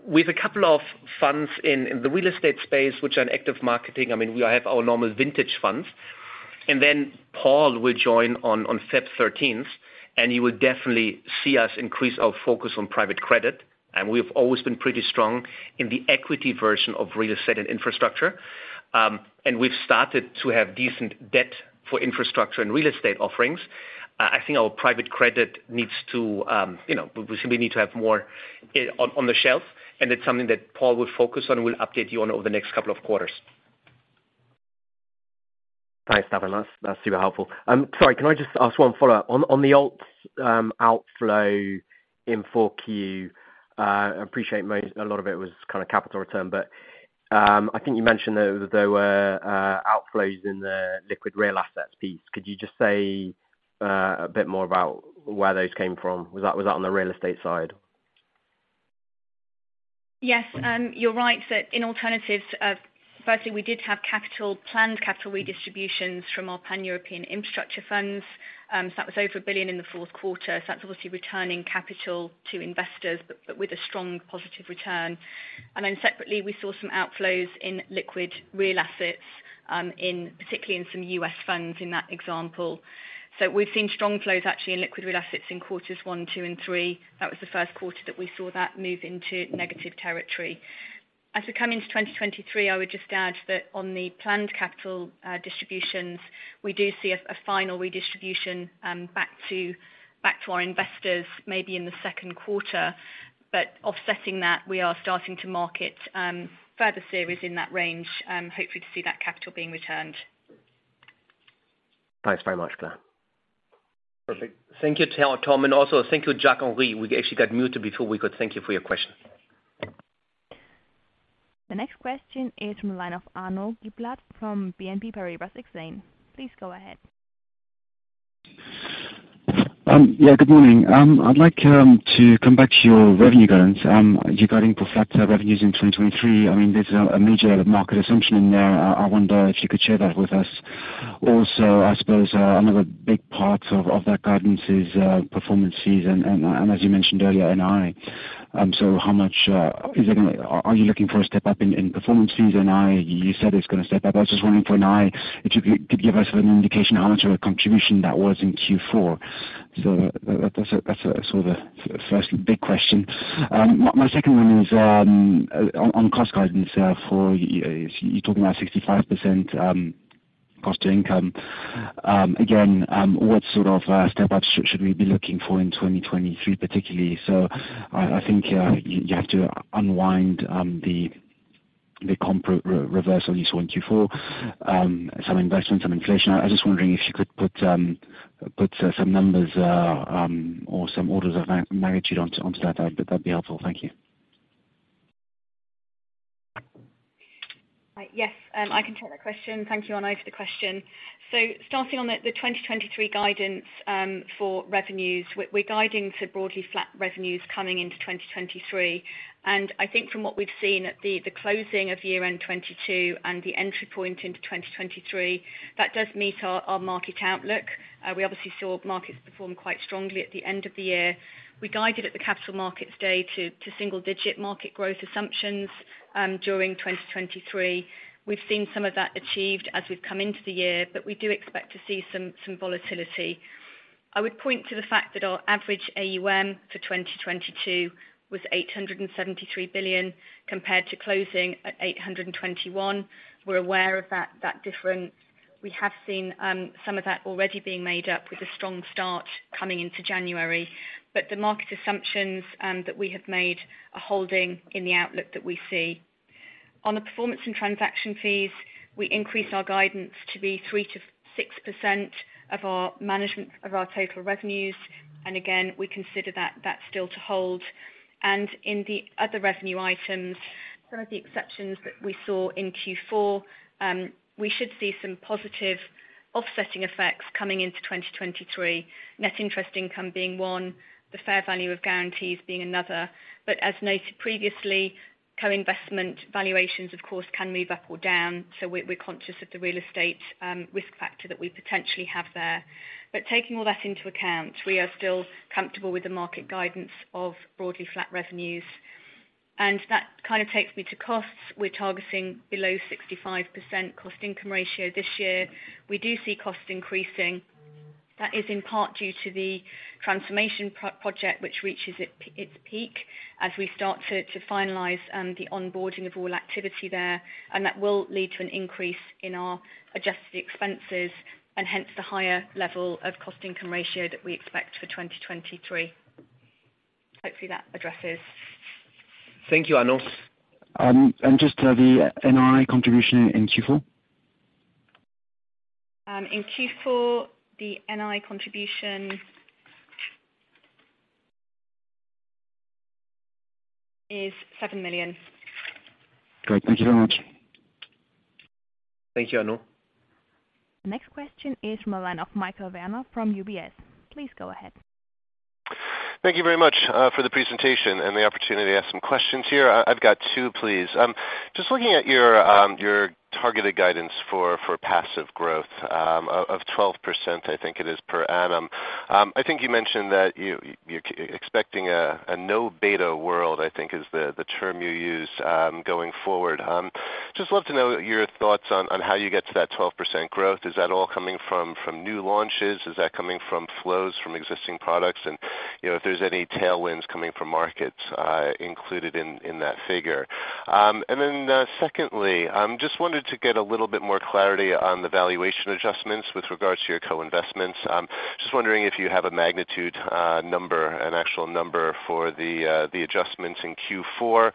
With a couple of funds in the real estate space, which are in active marketing. I mean, we have our normal vintage funds. Paul will join on February 13th, and you will definitely see us increase our focus on private credit. We've always been pretty strong in the equity version of real estate and infrastructure. We've started to have decent debt for infrastructure and real estate offerings. I think our private credit needs to, you know, we simply need to have more on the shelf and it's something that Paul will focus on, we'll update you on over the next couple of quarters. Thanks, Stefan. That's super helpful. Sorry, can I just ask one follow-up? On the alts outflow in 4Q. Appreciate most, a lot of it was kind of capital return, but I think you mentioned that there were outflows in the liquid real assets piece. Could you just say a bit more about where those came from? Was that on the real estate side? Yes. You're right that in alternatives, firstly, we did have planned capital redistributions from our pan-European infrastructure funds. That was over 1 billion in the fourth quarter. That's obviously returning capital to investors, but with a strong positive return. Separately, we saw some outflows in liquid real assets, in particularly in some U.S. funds in that example. We've seen strong flows actually in liquid real assets in quarters one, two and three. That was the first quarter that we saw that move into negative territory. As we come into 2023, I would just add that on the planned capital distributions, we do see a final redistribution, back to our investors maybe in the second quarter. Offsetting that, we are starting to market further series in that range, hopefully to see that capital being returned. Thanks very much, Claire. Perfect. Thank you, Tom, and also thank you, Jacques-Henri. We actually got muted before we could thank you for your question. The next question is from the line of Arnaud Giblat from BNP Paribas Exane. Please go ahead. Yeah, good morning. I'd like to come back to your revenue guidance. Regarding pro forma revenues in 2023. I mean, there's a major market assumption in there. I wonder if you could share that with us. Also, I suppose, another big part of that guidance is performance fees and as you mentioned earlier, NII. How much are you looking for a step up in performance fees, NII? You said it's gonna step up. I was just wondering for NII if you could give us an indication how much of a contribution that was in Q4. That's a sort of a first big question. My second one is on cost guidance for you're talking about 65% cost to income. Again, what sort of step up should we be looking for in 2023 particularly? I think you have to unwind the comp reversal you saw in Q4. Some investments, some inflation. I was just wondering if you could put some numbers or some orders of magnitude onto that. That'd be helpful. Thank you. Yes. I can take that question. Thank you, Arnaud, for the question. Starting on the 2023 guidance, for revenues, we're guiding to broadly flat revenues coming into 2023. I think from what we've seen at the closing of year-end 2022 and the entry point into 2023, that does meet our market outlook. We obviously saw markets perform quite strongly at the end of the year. We guided at the Capital Markets Day to single-digit market growth assumptions during 2023. We've seen some of that achieved as we've come into the year, but we do expect to see some volatility. I would point to the fact that our average AUM for 2022 was 873 billion compared to closing at 821 billion. We're aware of that difference. We have seen some of that already being made up with a strong start coming into January. The market assumptions that we have made are holding in the outlook that we see. On the performance and transaction fees, we increased our guidance to be 3%-6% of our management of our total revenues. Again, we consider that still to hold. In the other revenue items, some of the exceptions that we saw in Q4, we should see some positive offsetting effects coming into 2023. Net Interest Income being one, the fair value of guarantees being another. As noted previously, co-investment valuations, of course, can move up or down. We're conscious of the real estate risk factor that we potentially have there. Taking all that into account, we are still comfortable with the market guidance of broadly flat revenues. That kind of takes me to costs. We're targeting below 65% cost-income ratio this year. We do see costs increasing. That is in part due to the transformation project which reaches its peak as we start to finalize the onboarding of all activity there, and that will lead to an increase in our adjusted expenses and hence the higher level of cost-income ratio that we expect for 2023. Hopefully that addresses. Thank you, Arnaud. Just, the NII contribution in Q4. In Q4, the NII contribution is 7 million. Great. Thank you very much. Thank you, Arnaud. Next question is from a line of Michael Werner from UBS. Please go ahead. Thank you very much for the presentation and the opportunity to ask some questions here. I've got two, please. Just looking at your targeted guidance for passive growth of 12% I think it is per annum. I think you mentioned that you're expecting a no beta world, I think is the term you used, going forward. Just love to know your thoughts on how you get to that 12% growth. Is that all coming from new launches? Is that coming from flows from existing products? You know, if there's any tailwinds coming from markets included in that figure. Secondly, just wanted to get a little bit more clarity on the valuation adjustments with regards to your co-investments. Just wondering if you have a magnitude number, an actual number for the adjustments in Q4?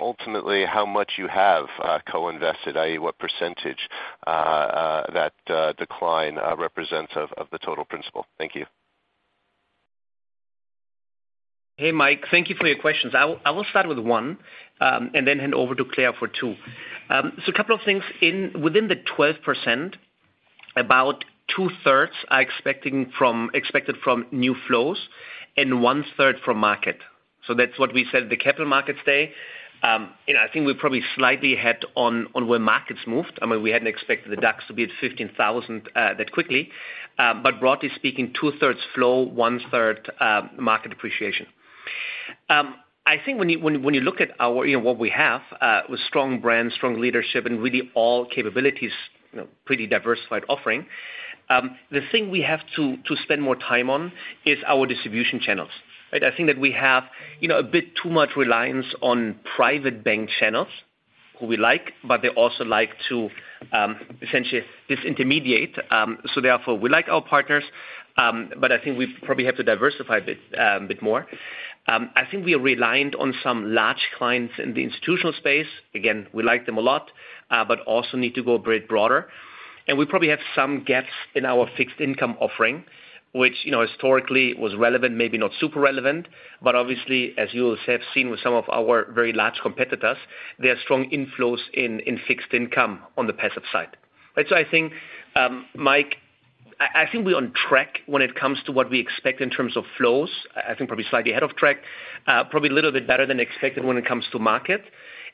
Ultimately, how much you have co-invested, i.e. what percentage that decline represents of the total principal? Thank you. Hey, Mike, thank you for your questions. I will start with one, and then hand over to Claire for two. A couple of things in, within the 12%, about 2/3 are expected from new flows and 1/3 from market. That's what we said at the Capital Markets Day. I think we're probably slightly ahead on where markets moved. I mean, we hadn't expected the DAX to be at 15,000 that quickly. Broadly speaking, 2/3 flow, 1/3 market appreciation. I think when you look at our, you know, what we have with strong brands, strong leadership and really all capabilities, you know, pretty diversified offering, the thing we have to spend more time on is our distribution channels. Right? I think that we have, you know, a bit too much reliance on private bank channels who we like, but they also like to essentially disintermediate. Therefore, we like our partners, but I think we probably have to diversify a bit, a bit more. I think we are reliant on some large clients in the institutional space. Again, we like them a lot, but also need to go a bit broader. We probably have some gaps in our fixed income offering, which, you know, historically was relevant, maybe not super relevant. Obviously, as you have seen with some of our very large competitors, there are strong inflows in fixed income on the passive side. Right? I think, Mike, I think we're on track when it comes to what we expect in terms of flows. I think probably slightly ahead of track. Probably a little bit better than expected when it comes to market,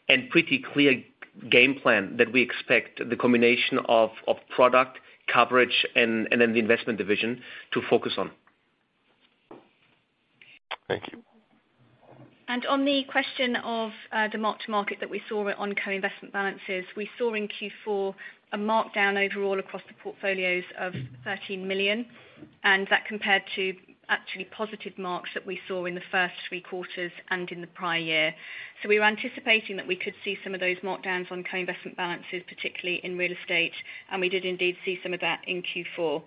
and pretty clear game plan that we expect the combination of product coverage and then the investment division to focus on. Thank you. On the question of the mark-to-market that we saw on co-investment balances, we saw in Q4 a markdown overall across the portfolios of 13 million, and that compared to actually positive marks that we saw in the first three quarters and in the prior year. We were anticipating that we could see some of those markdowns on co-investment balances, particularly in real estate, and we did indeed see some of that in Q4.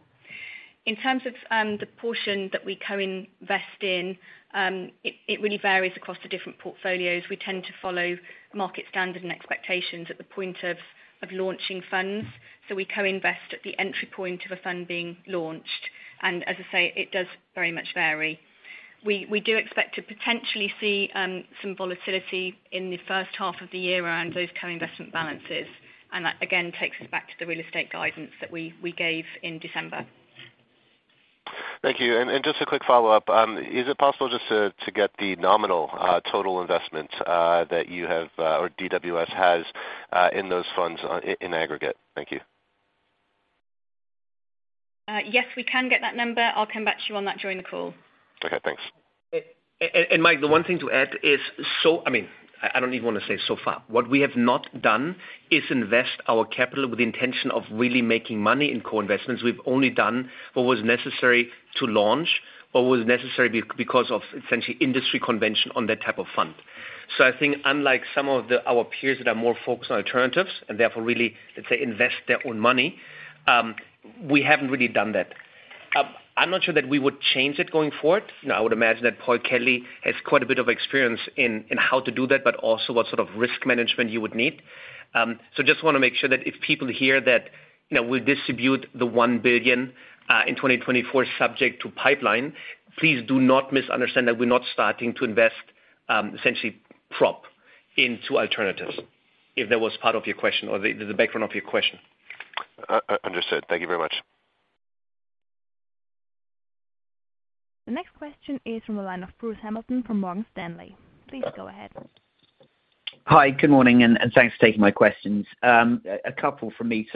In terms of the portion that we co-invest in, it really varies across the different portfolios. We tend to follow market standard and expectations at the point of launching funds. We co-invest at the entry point of a fund being launched. As I say, it does very much vary. We do expect to potentially see some volatility in the first half of the year around those co-investment balances. That, again, takes us back to the real estate guidance that we gave in December. Thank you. Just a quick follow-up. Is it possible just to get the nominal total investment that you have or DWS has in those funds in aggregate? Thank you. Yes, we can get that number. I'll come back to you on that during the call. Okay, thanks. Mike, the one thing to add is I mean, I don't even wanna say so far. What we have not done is invest our capital with the intention of really making money in co-investments. We've only done what was necessary to launch, what was necessary because of essentially industry convention on that type of fund. I think unlike some of our peers that are more focused on alternatives, and therefore really, let's say, invest their own money, we haven't really done that. I'm not sure that we would change it going forward. You know, I would imagine that Paul Kelly has quite a bit of experience in how to do that, but also what sort of risk management you would need. Just wanna make sure that if people hear that, you know, we distribute the 1 billion in 2024 subject to pipeline, please do not misunderstand that we're not starting to invest essentially prop into alternatives, if that was part of your question or the background of your question. Understood. Thank you very much. The next question is from the line of Bruce Hamilton from Morgan Stanley. Please go ahead. Hi. Good morning, and thanks for taking my questions. A couple from me.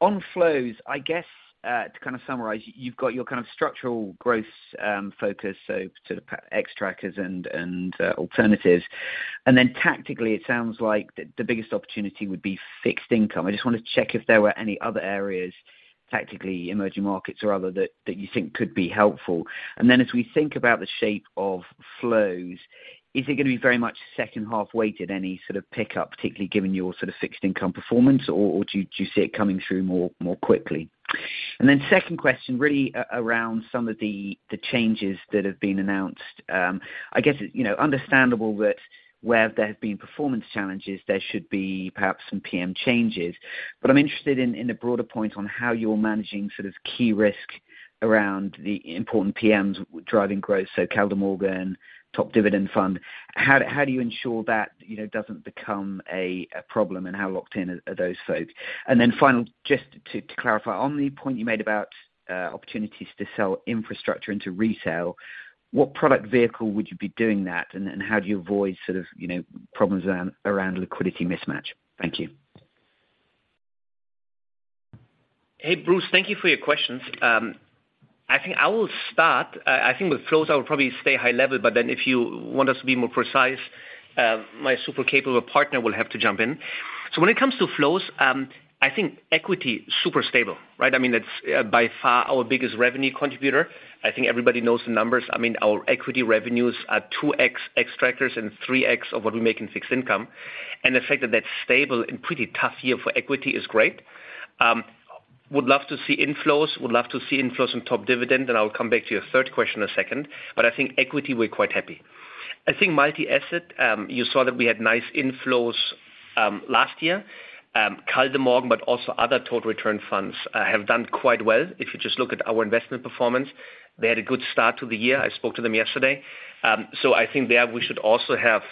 On flows, I guess, to kind of summarize, you've got your kind of structural growth, focus, so sort of Xtrackers and alternatives. Then tactically it sounds like the biggest opportunity would be fixed income. I just wanna check if there were any other areas tactically, emerging markets or other that you think could be helpful. Then as we think about the shape of flows, is it gonna be very much second half weighted, any sort of pickup, particularly given your sort of fixed income performance, or, do you see it coming through more quickly? Then second question really around some of the changes that have been announced. I guess, you know, understandable that where there have been performance challenges, there should be perhaps some PM changes. I'm interested in the broader point on how you're managing sort of key risk around the important PMs driving growth, so Kaldemorgen, Top Dividend Fund. How do you ensure that, you know, doesn't become a problem, and how locked in are those folks? Final, just to clarify, on the point you made about opportunities to sell infrastructure into retail, what product vehicle would you be doing that, and how do you avoid sort of, you know, problems around liquidity mismatch? Thank you. Hey, Bruce. Thank you for your questions. I think I will start with flows I will probably stay high level. If you want us to be more precise, my super capable partner will have to jump in. When it comes to flows, I think equity super stable, right? I mean, that's, by far our biggest revenue contributor. I think everybody knows the numbers. I mean, our equity revenues are 2x Xtrackers and 3x of what we make in fixed income. The fact that that's stable in pretty tough year for equity is great. Would love to see inflows. Would love to see inflows in Top Dividend. I'll come back to your third question a second. I think equity we're quite happy. I think multi-asset, you saw that we had nice inflows, last year. Kaldemorgen, but also other total return funds, have done quite well. If you just look at our investment performance, they had a good start to the year. I spoke to them yesterday. I think there we should also have,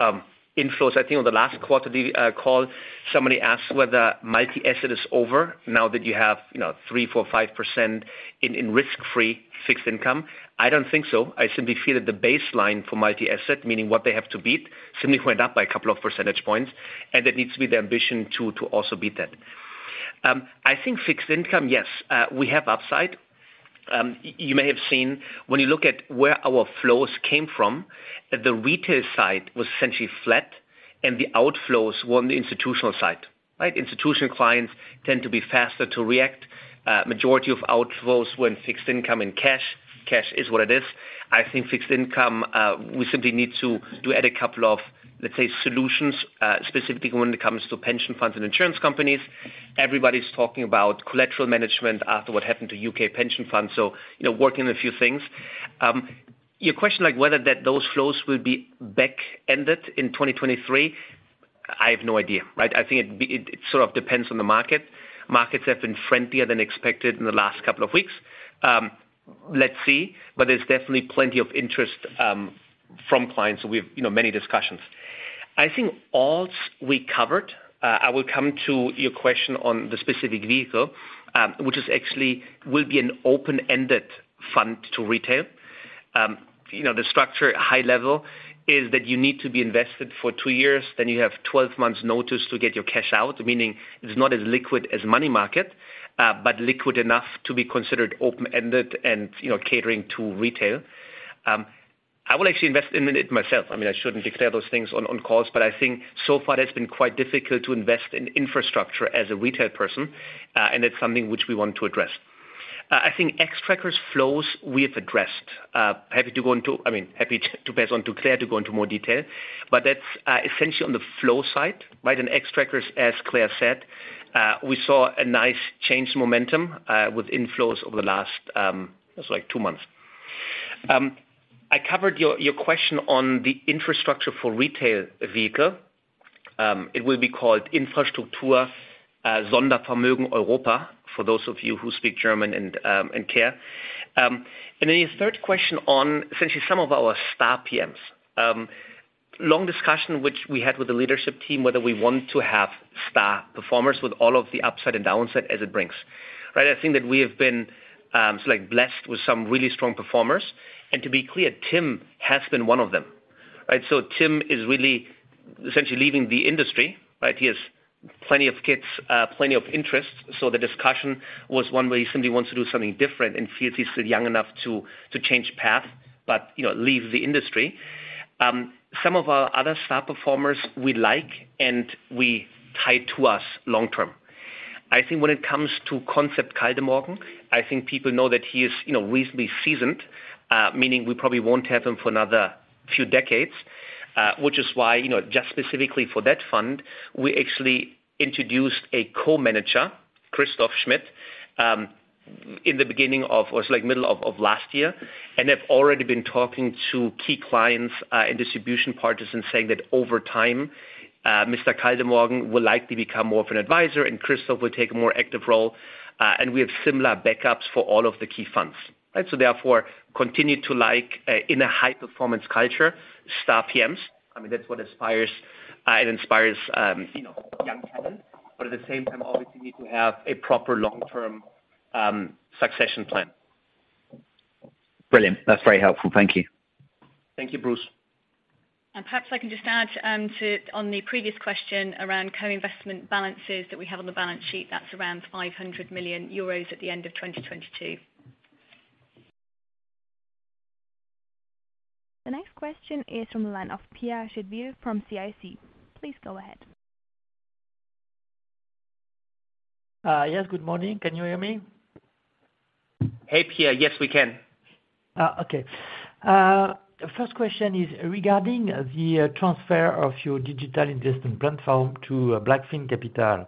inflows. I think on the last quarter call, somebody asked whether multi-asset is over now that you have, you know, 3%, 4%, 5% in risk-free fixed income. I don't think so. I simply feel that the baseline for multi-asset, meaning what they have to beat, simply went up by a couple of percentage points, and that needs to be the ambition to also beat that. I think fixed income, yes, we have upside. You may have seen when you look at where our flows came from, the retail side was essentially flat and the outflows were on the institutional side. Right? Institutional clients tend to be faster to react. Majority of outflows when fixed income in cash. Cash is what it is. I think fixed income, we simply need to add a couple of, let's say, solutions, specifically when it comes to pension funds and insurance companies. Everybody's talking about collateral management after what happened to U.K. pension funds, you know, working a few things. Your question like whether those flows will be back ended in 2023, I have no idea, right? I think it sort of depends on the market. Markets have been friendlier than expected in the last couple of weeks. Let's see. There's definitely plenty of interest from clients, so we have, you know, many discussions. I think all we covered, I will come to your question on the specific vehicle, which is actually will be an open-ended fund to retail. You know, the structure high level is that you need to be invested for two years, then you have 12 months notice to get your cash out, meaning it is not as liquid as money market, but liquid enough to be considered open-ended and, you know, catering to retail. I will actually invest in it myself. I mean, I shouldn't declare those things on calls, but I think so far it's been quite difficult to invest in infrastructure as a retail person, and it's something which we want to address. I think Xtrackers flows we have addressed. I mean, happy to pass on to Claire to go into more detail, but that's essentially on the flow side, right? Xtrackers, as Claire said, we saw a nice change in momentum with inflows over the last, it was like two months. I covered your question on the infrastructure for retail vehicle. It will be called Infrastruktur Sondervermögen Europa, for those of you who speak German and care. Your third question on essentially some of our star PMs. Long discussion which we had with the leadership team, whether we want to have star performers with all of the upside and downside as it brings, right? I think that we have been, sort of like blessed with some really strong performers. To be clear, Tim has been one of them, right? Tim is really essentially leaving the industry, right? Plenty of kids, plenty of interest. The discussion was one where he simply wants to do something different, feels he's still young enough to change path, but, you know, leave the industry. Some of our other star performers we like, and we tie to us long-term. I think when it comes to concept Kaldemorgen, I think people know that he is, you know, reasonably seasoned, meaning we probably won't have him for another few decades. Which is why, you know, just specifically for that fund, we actually introduced a co-manager, Christoph Schmidt, in the beginning of, or like middle of last year. Have already been talking to key clients, and distribution partners, and saying that over time, Mr. Kaldemorgen will likely become more of an advisor, and Christoph will take a more active role. We have similar backups for all of the key funds. Right? Therefore continue to like, in a high performance culture, star PMs. I mean, that's what inspires, and inspires, you know, young talent, at the same time, obviously you need to have a proper long-term, succession plan. Brilliant. That's very helpful. Thank you. Thank you, Bruce. Perhaps I can just add on the previous question around co-investment balances that we have on the balance sheet, that's around 500 million euros at the end of 2022. The next question is from the line of Pierre Chédeville from CIC. Please go ahead. Yes, good morning. Can you hear me? Hey, Pierre. Yes, we can. Okay. First question is regarding the transfer of your digital investment platform to BlackFin Capital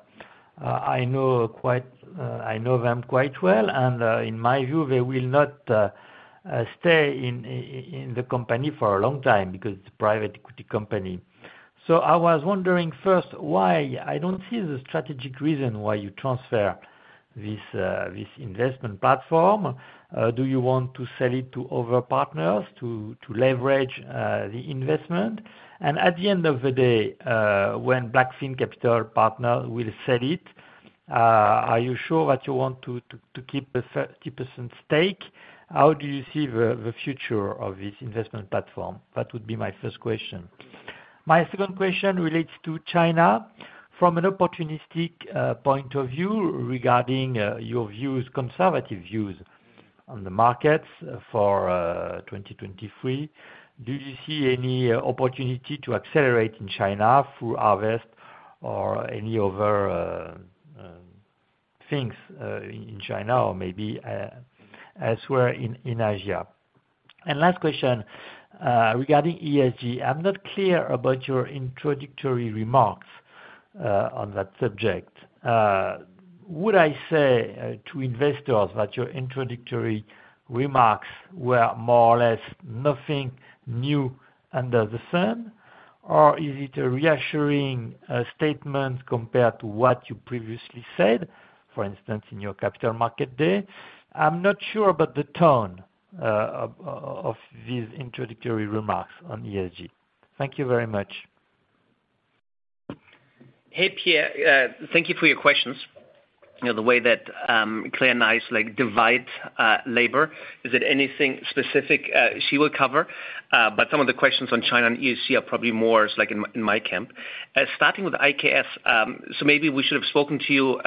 Partners. I know them quite well, and in my view, they will not stay in the company for a long time because it's a private equity company. So I was wondering first why I don't see the strategic reason why you transfer this investment platform. Do you want to sell it to other partners to leverage the investment? And at the end of the day, when BlackFin Capital Partners will sell it, are you sure that you want to keep a 30% stake? How do you see the future of this investment platform? That would be my first question. My second question relates to China. From an opportunistic point of view regarding your views, conservative views on the markets for 2023, do you see any opportunity to accelerate in China through Harvest Fund Management or any other things in China or maybe elsewhere in Asia? Last question regarding ESG. I'm not clear about your introductory remarks on that subject. Would I say to investors that your introductory remarks were more or less nothing new under the sun? Or is it a reassuring statement compared to what you previously said, for instance, in your Capital Markets Day? I'm not sure about the tone of these introductory remarks on ESG. Thank you very much. Hey, Pierre, thank you for your questions. You know, the way that Claire and I like divide labor, is that anything specific, she will cover. Some of the questions on China and ESG are probably more so like in my camp. Starting with IKS, so maybe we should have spoken to you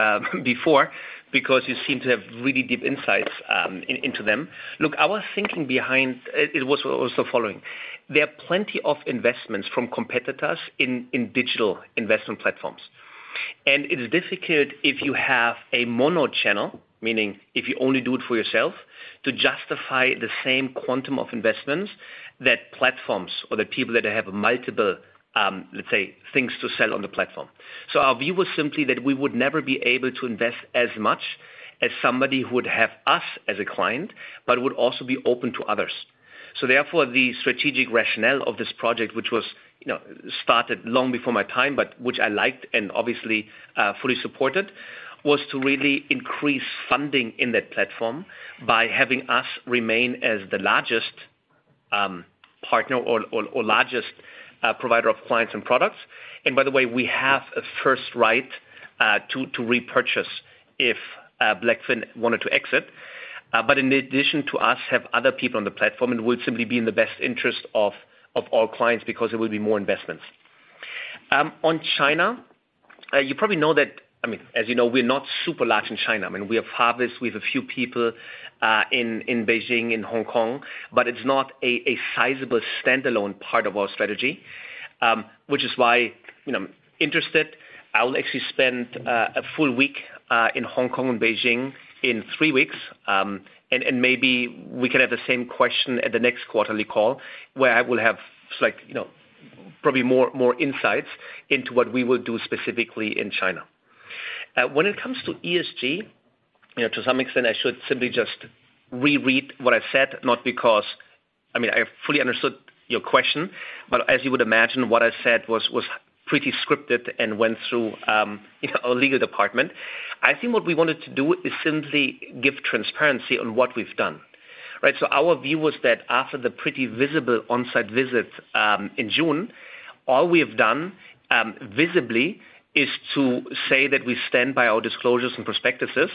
before, because you seem to have really deep insights into them. Look, our thinking behind it was also following. There are plenty of investments from competitors in digital investment platforms, and it is difficult if you have a mono channel, meaning if you only do it for yourself, to justify the same quantum of investments that platforms or the people that have multiple, let's say, things to sell on the platform. Our view was simply that we would never be able to invest as much as somebody who would have us as a client but would also be open to others. Therefore, the strategic rationale of this project, which was, you know, started long before my time, but which I liked and obviously, fully supported, was to really increase funding in that platform by having us remain as the largest partner or largest provider of clients and products. By the way, we have a first right to repurchase if BlackFin wanted to exit. In addition to us, have other people on the platform and would simply be in the best interest of all clients because there will be more investments. On China, as you know, we're not super large in China. I mean, we have Harvest, we have a few people in Beijing and Hong Kong, but it's not a sizable standalone part of our strategy, which is why, you know, I'm interested. I will actually spend a full week in Hong Kong and Beijing in three weeks. Maybe we can have the same question at the next quarterly call, where I will have select, you know, probably more insights into what we will do specifically in China. When it comes to ESG, you know, to some extent I should simply just reread what I've said, not because... I mean, I fully understood your question, but as you would imagine, what I said was pretty scripted and went through, you know, our legal department. I think what we wanted to do is simply give transparency on what we've done, right? Our view was that after the pretty visible onsite visits in June, all we have done visibly is to say that we stand by our disclosures and prospectuses,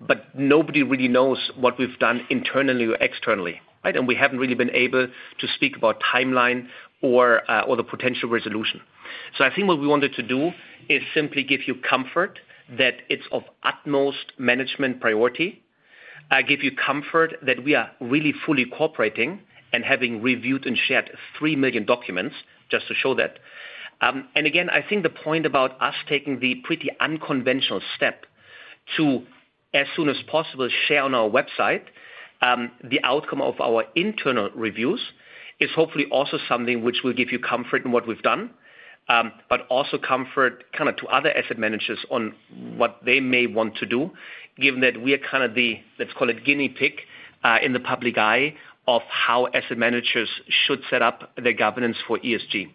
but nobody really knows what we've done internally or externally, right? We haven't really been able to speak about timeline or the potential resolution. I think what we wanted to do is simply give you comfort that it's of utmost management priority. I give you comfort that we are really fully cooperating and having reviewed and shared 3 million documents just to show that. Again, I think the point about us taking the pretty unconventional step to, as soon as possible, share on our website, the outcome of our internal reviews is hopefully also something which will give you comfort in what we've done, but also comfort kind of to other asset managers on what they may want to do, given that we are kind of the, let's call it guinea pig in the public eye of how asset managers should set up their governance for ESG.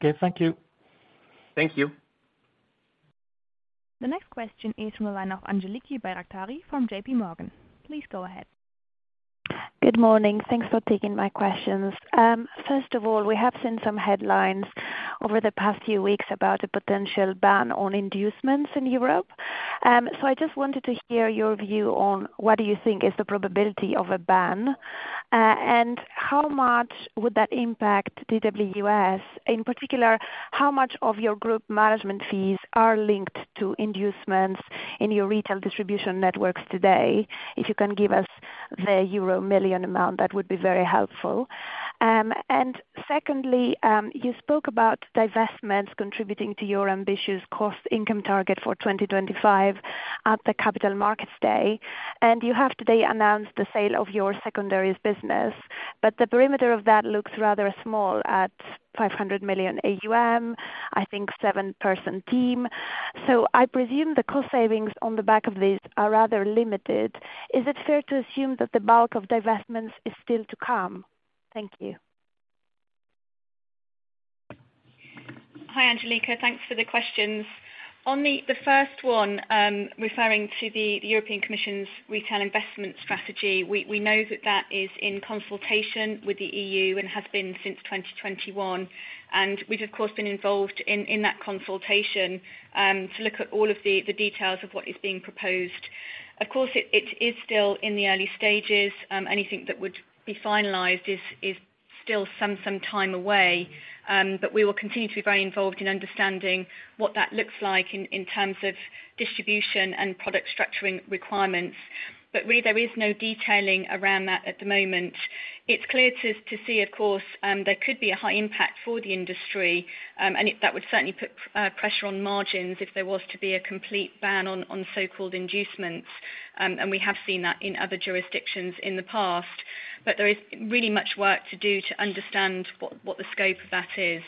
Okay. Thank you. Thank you. The next question is from the line of Angeliki Bairaktari from JPMorgan. Please go ahead. Good morning. Thanks for taking my questions. First of all, we have seen some headlines over the past few weeks about a potential ban on inducements in Europe. I just wanted to hear your view on what do you think is the probability of a ban, and how much would that impact DWS? In particular, how much of your group management fees are linked to inducements in your retail distribution networks today? If you can give us the euro million amount, that would be very helpful. Secondly, you spoke about divestments contributing to your ambitious cost income target for 2025 at the Capital Markets Day, and you have today announced the sale of your secondaries business. The perimeter of that looks rather small at 500 million AUM, I think seven-person team. I presume the cost savings on the back of this are rather limited. Is it fair to assume that the bulk of divestments is still to come? Thank you. Hi, Angeliki. Thanks for the questions. On the first one, referring to the European Commission's Retail Investment Strategy, we know that that is in consultation with the EU and has been since 2021, and we've of course been involved in that consultation to look at all of the details of what is being proposed. Of course, it is still in the early stages. Anything that would be finalized is still some time away. We will continue to be very involved in understanding what that looks like in terms of distribution and product structuring requirements. Really, there is no detailing around that at the moment. It's clear to see, of course, there could be a high impact for the industry, that would certainly put pressure on margins if there was to be a complete ban on so-called inducements. We have seen that in other jurisdictions in the past. There is really much work to do to understand what the scope of that is.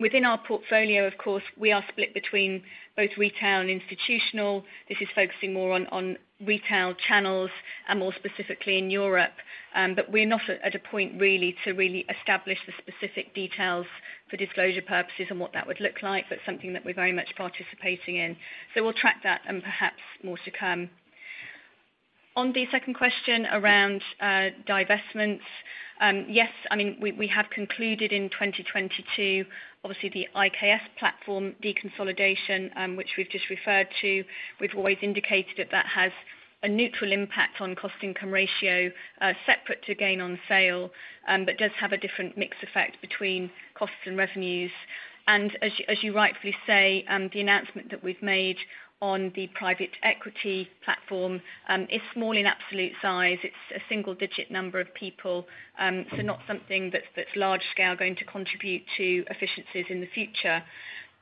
Within our portfolio, of course, we are split between both retail and institutional. This is focusing more on retail channels and more specifically in Europe. We're not at a point really to establish the specific details for disclosure purposes and what that would look like, but something that we're very much participating in. We'll track that and perhaps more to come. On the second question around divestments, yes, I mean, we have concluded in 2022, obviously the IKS platform deconsolidation, which we've just referred to. We've always indicated that that has a neutral impact on cost-income ratio, separate to gain on sale, but does have a different mix effect between costs and revenues. As you rightfully say, the announcement that we've made on the private equity platform is small in absolute size. It's a single-digit number of people. Not something that's large scale going to contribute to efficiencies in the future.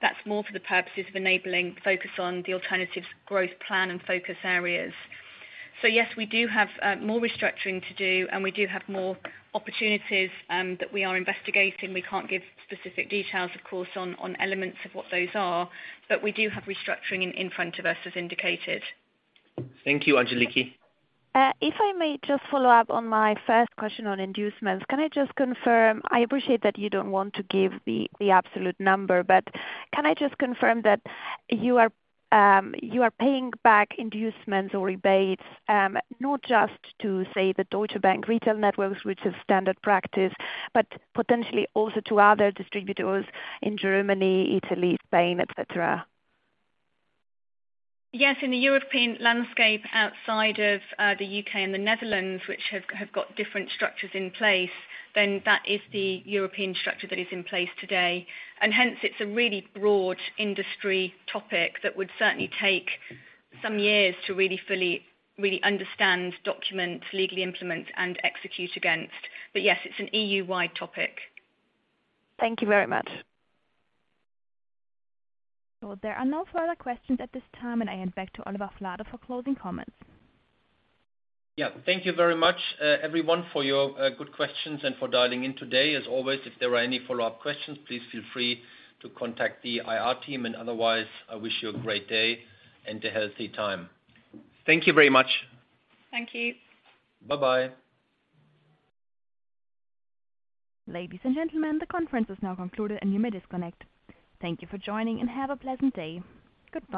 That's more for the purposes of enabling focus on the alternatives growth plan and focus areas. Yes, we do have more restructuring to do, and we do have more opportunities that we are investigating. We can't give specific details, of course, on elements of what those are, but we do have restructuring in front of us as indicated. Thank you, Angeliki. If I may just follow up on my first question on inducements. I appreciate that you don't want to give the absolute number, but can I just confirm that you are paying back inducements or rebates, not just to say the Deutsche Bank retail networks, which is standard practice, but potentially also to other distributors in Germany, Italy, Spain, et cetera? Yes, in the European landscape outside of the U.K. and the Netherlands, which have got different structures in place, then that is the European structure that is in place today. Hence it's a really broad industry topic that would certainly take some years to really fully understand, document, legally implement and execute against. Yes, it's an EU-wide topic. Thank you very much. There are no further questions at this time, and I hand back to Oliver Flade for closing comments. Yeah. Thank you very much, everyone for your good questions and for dialing in today. As always, if there are any follow-up questions, please feel free to contact the IR team, otherwise, I wish you a great day and a healthy time. Thank you very much. Thank you. Bye-bye. Ladies and gentlemen, the conference is now concluded and you may disconnect. Thank you for joining, and have a pleasant day. Goodbye.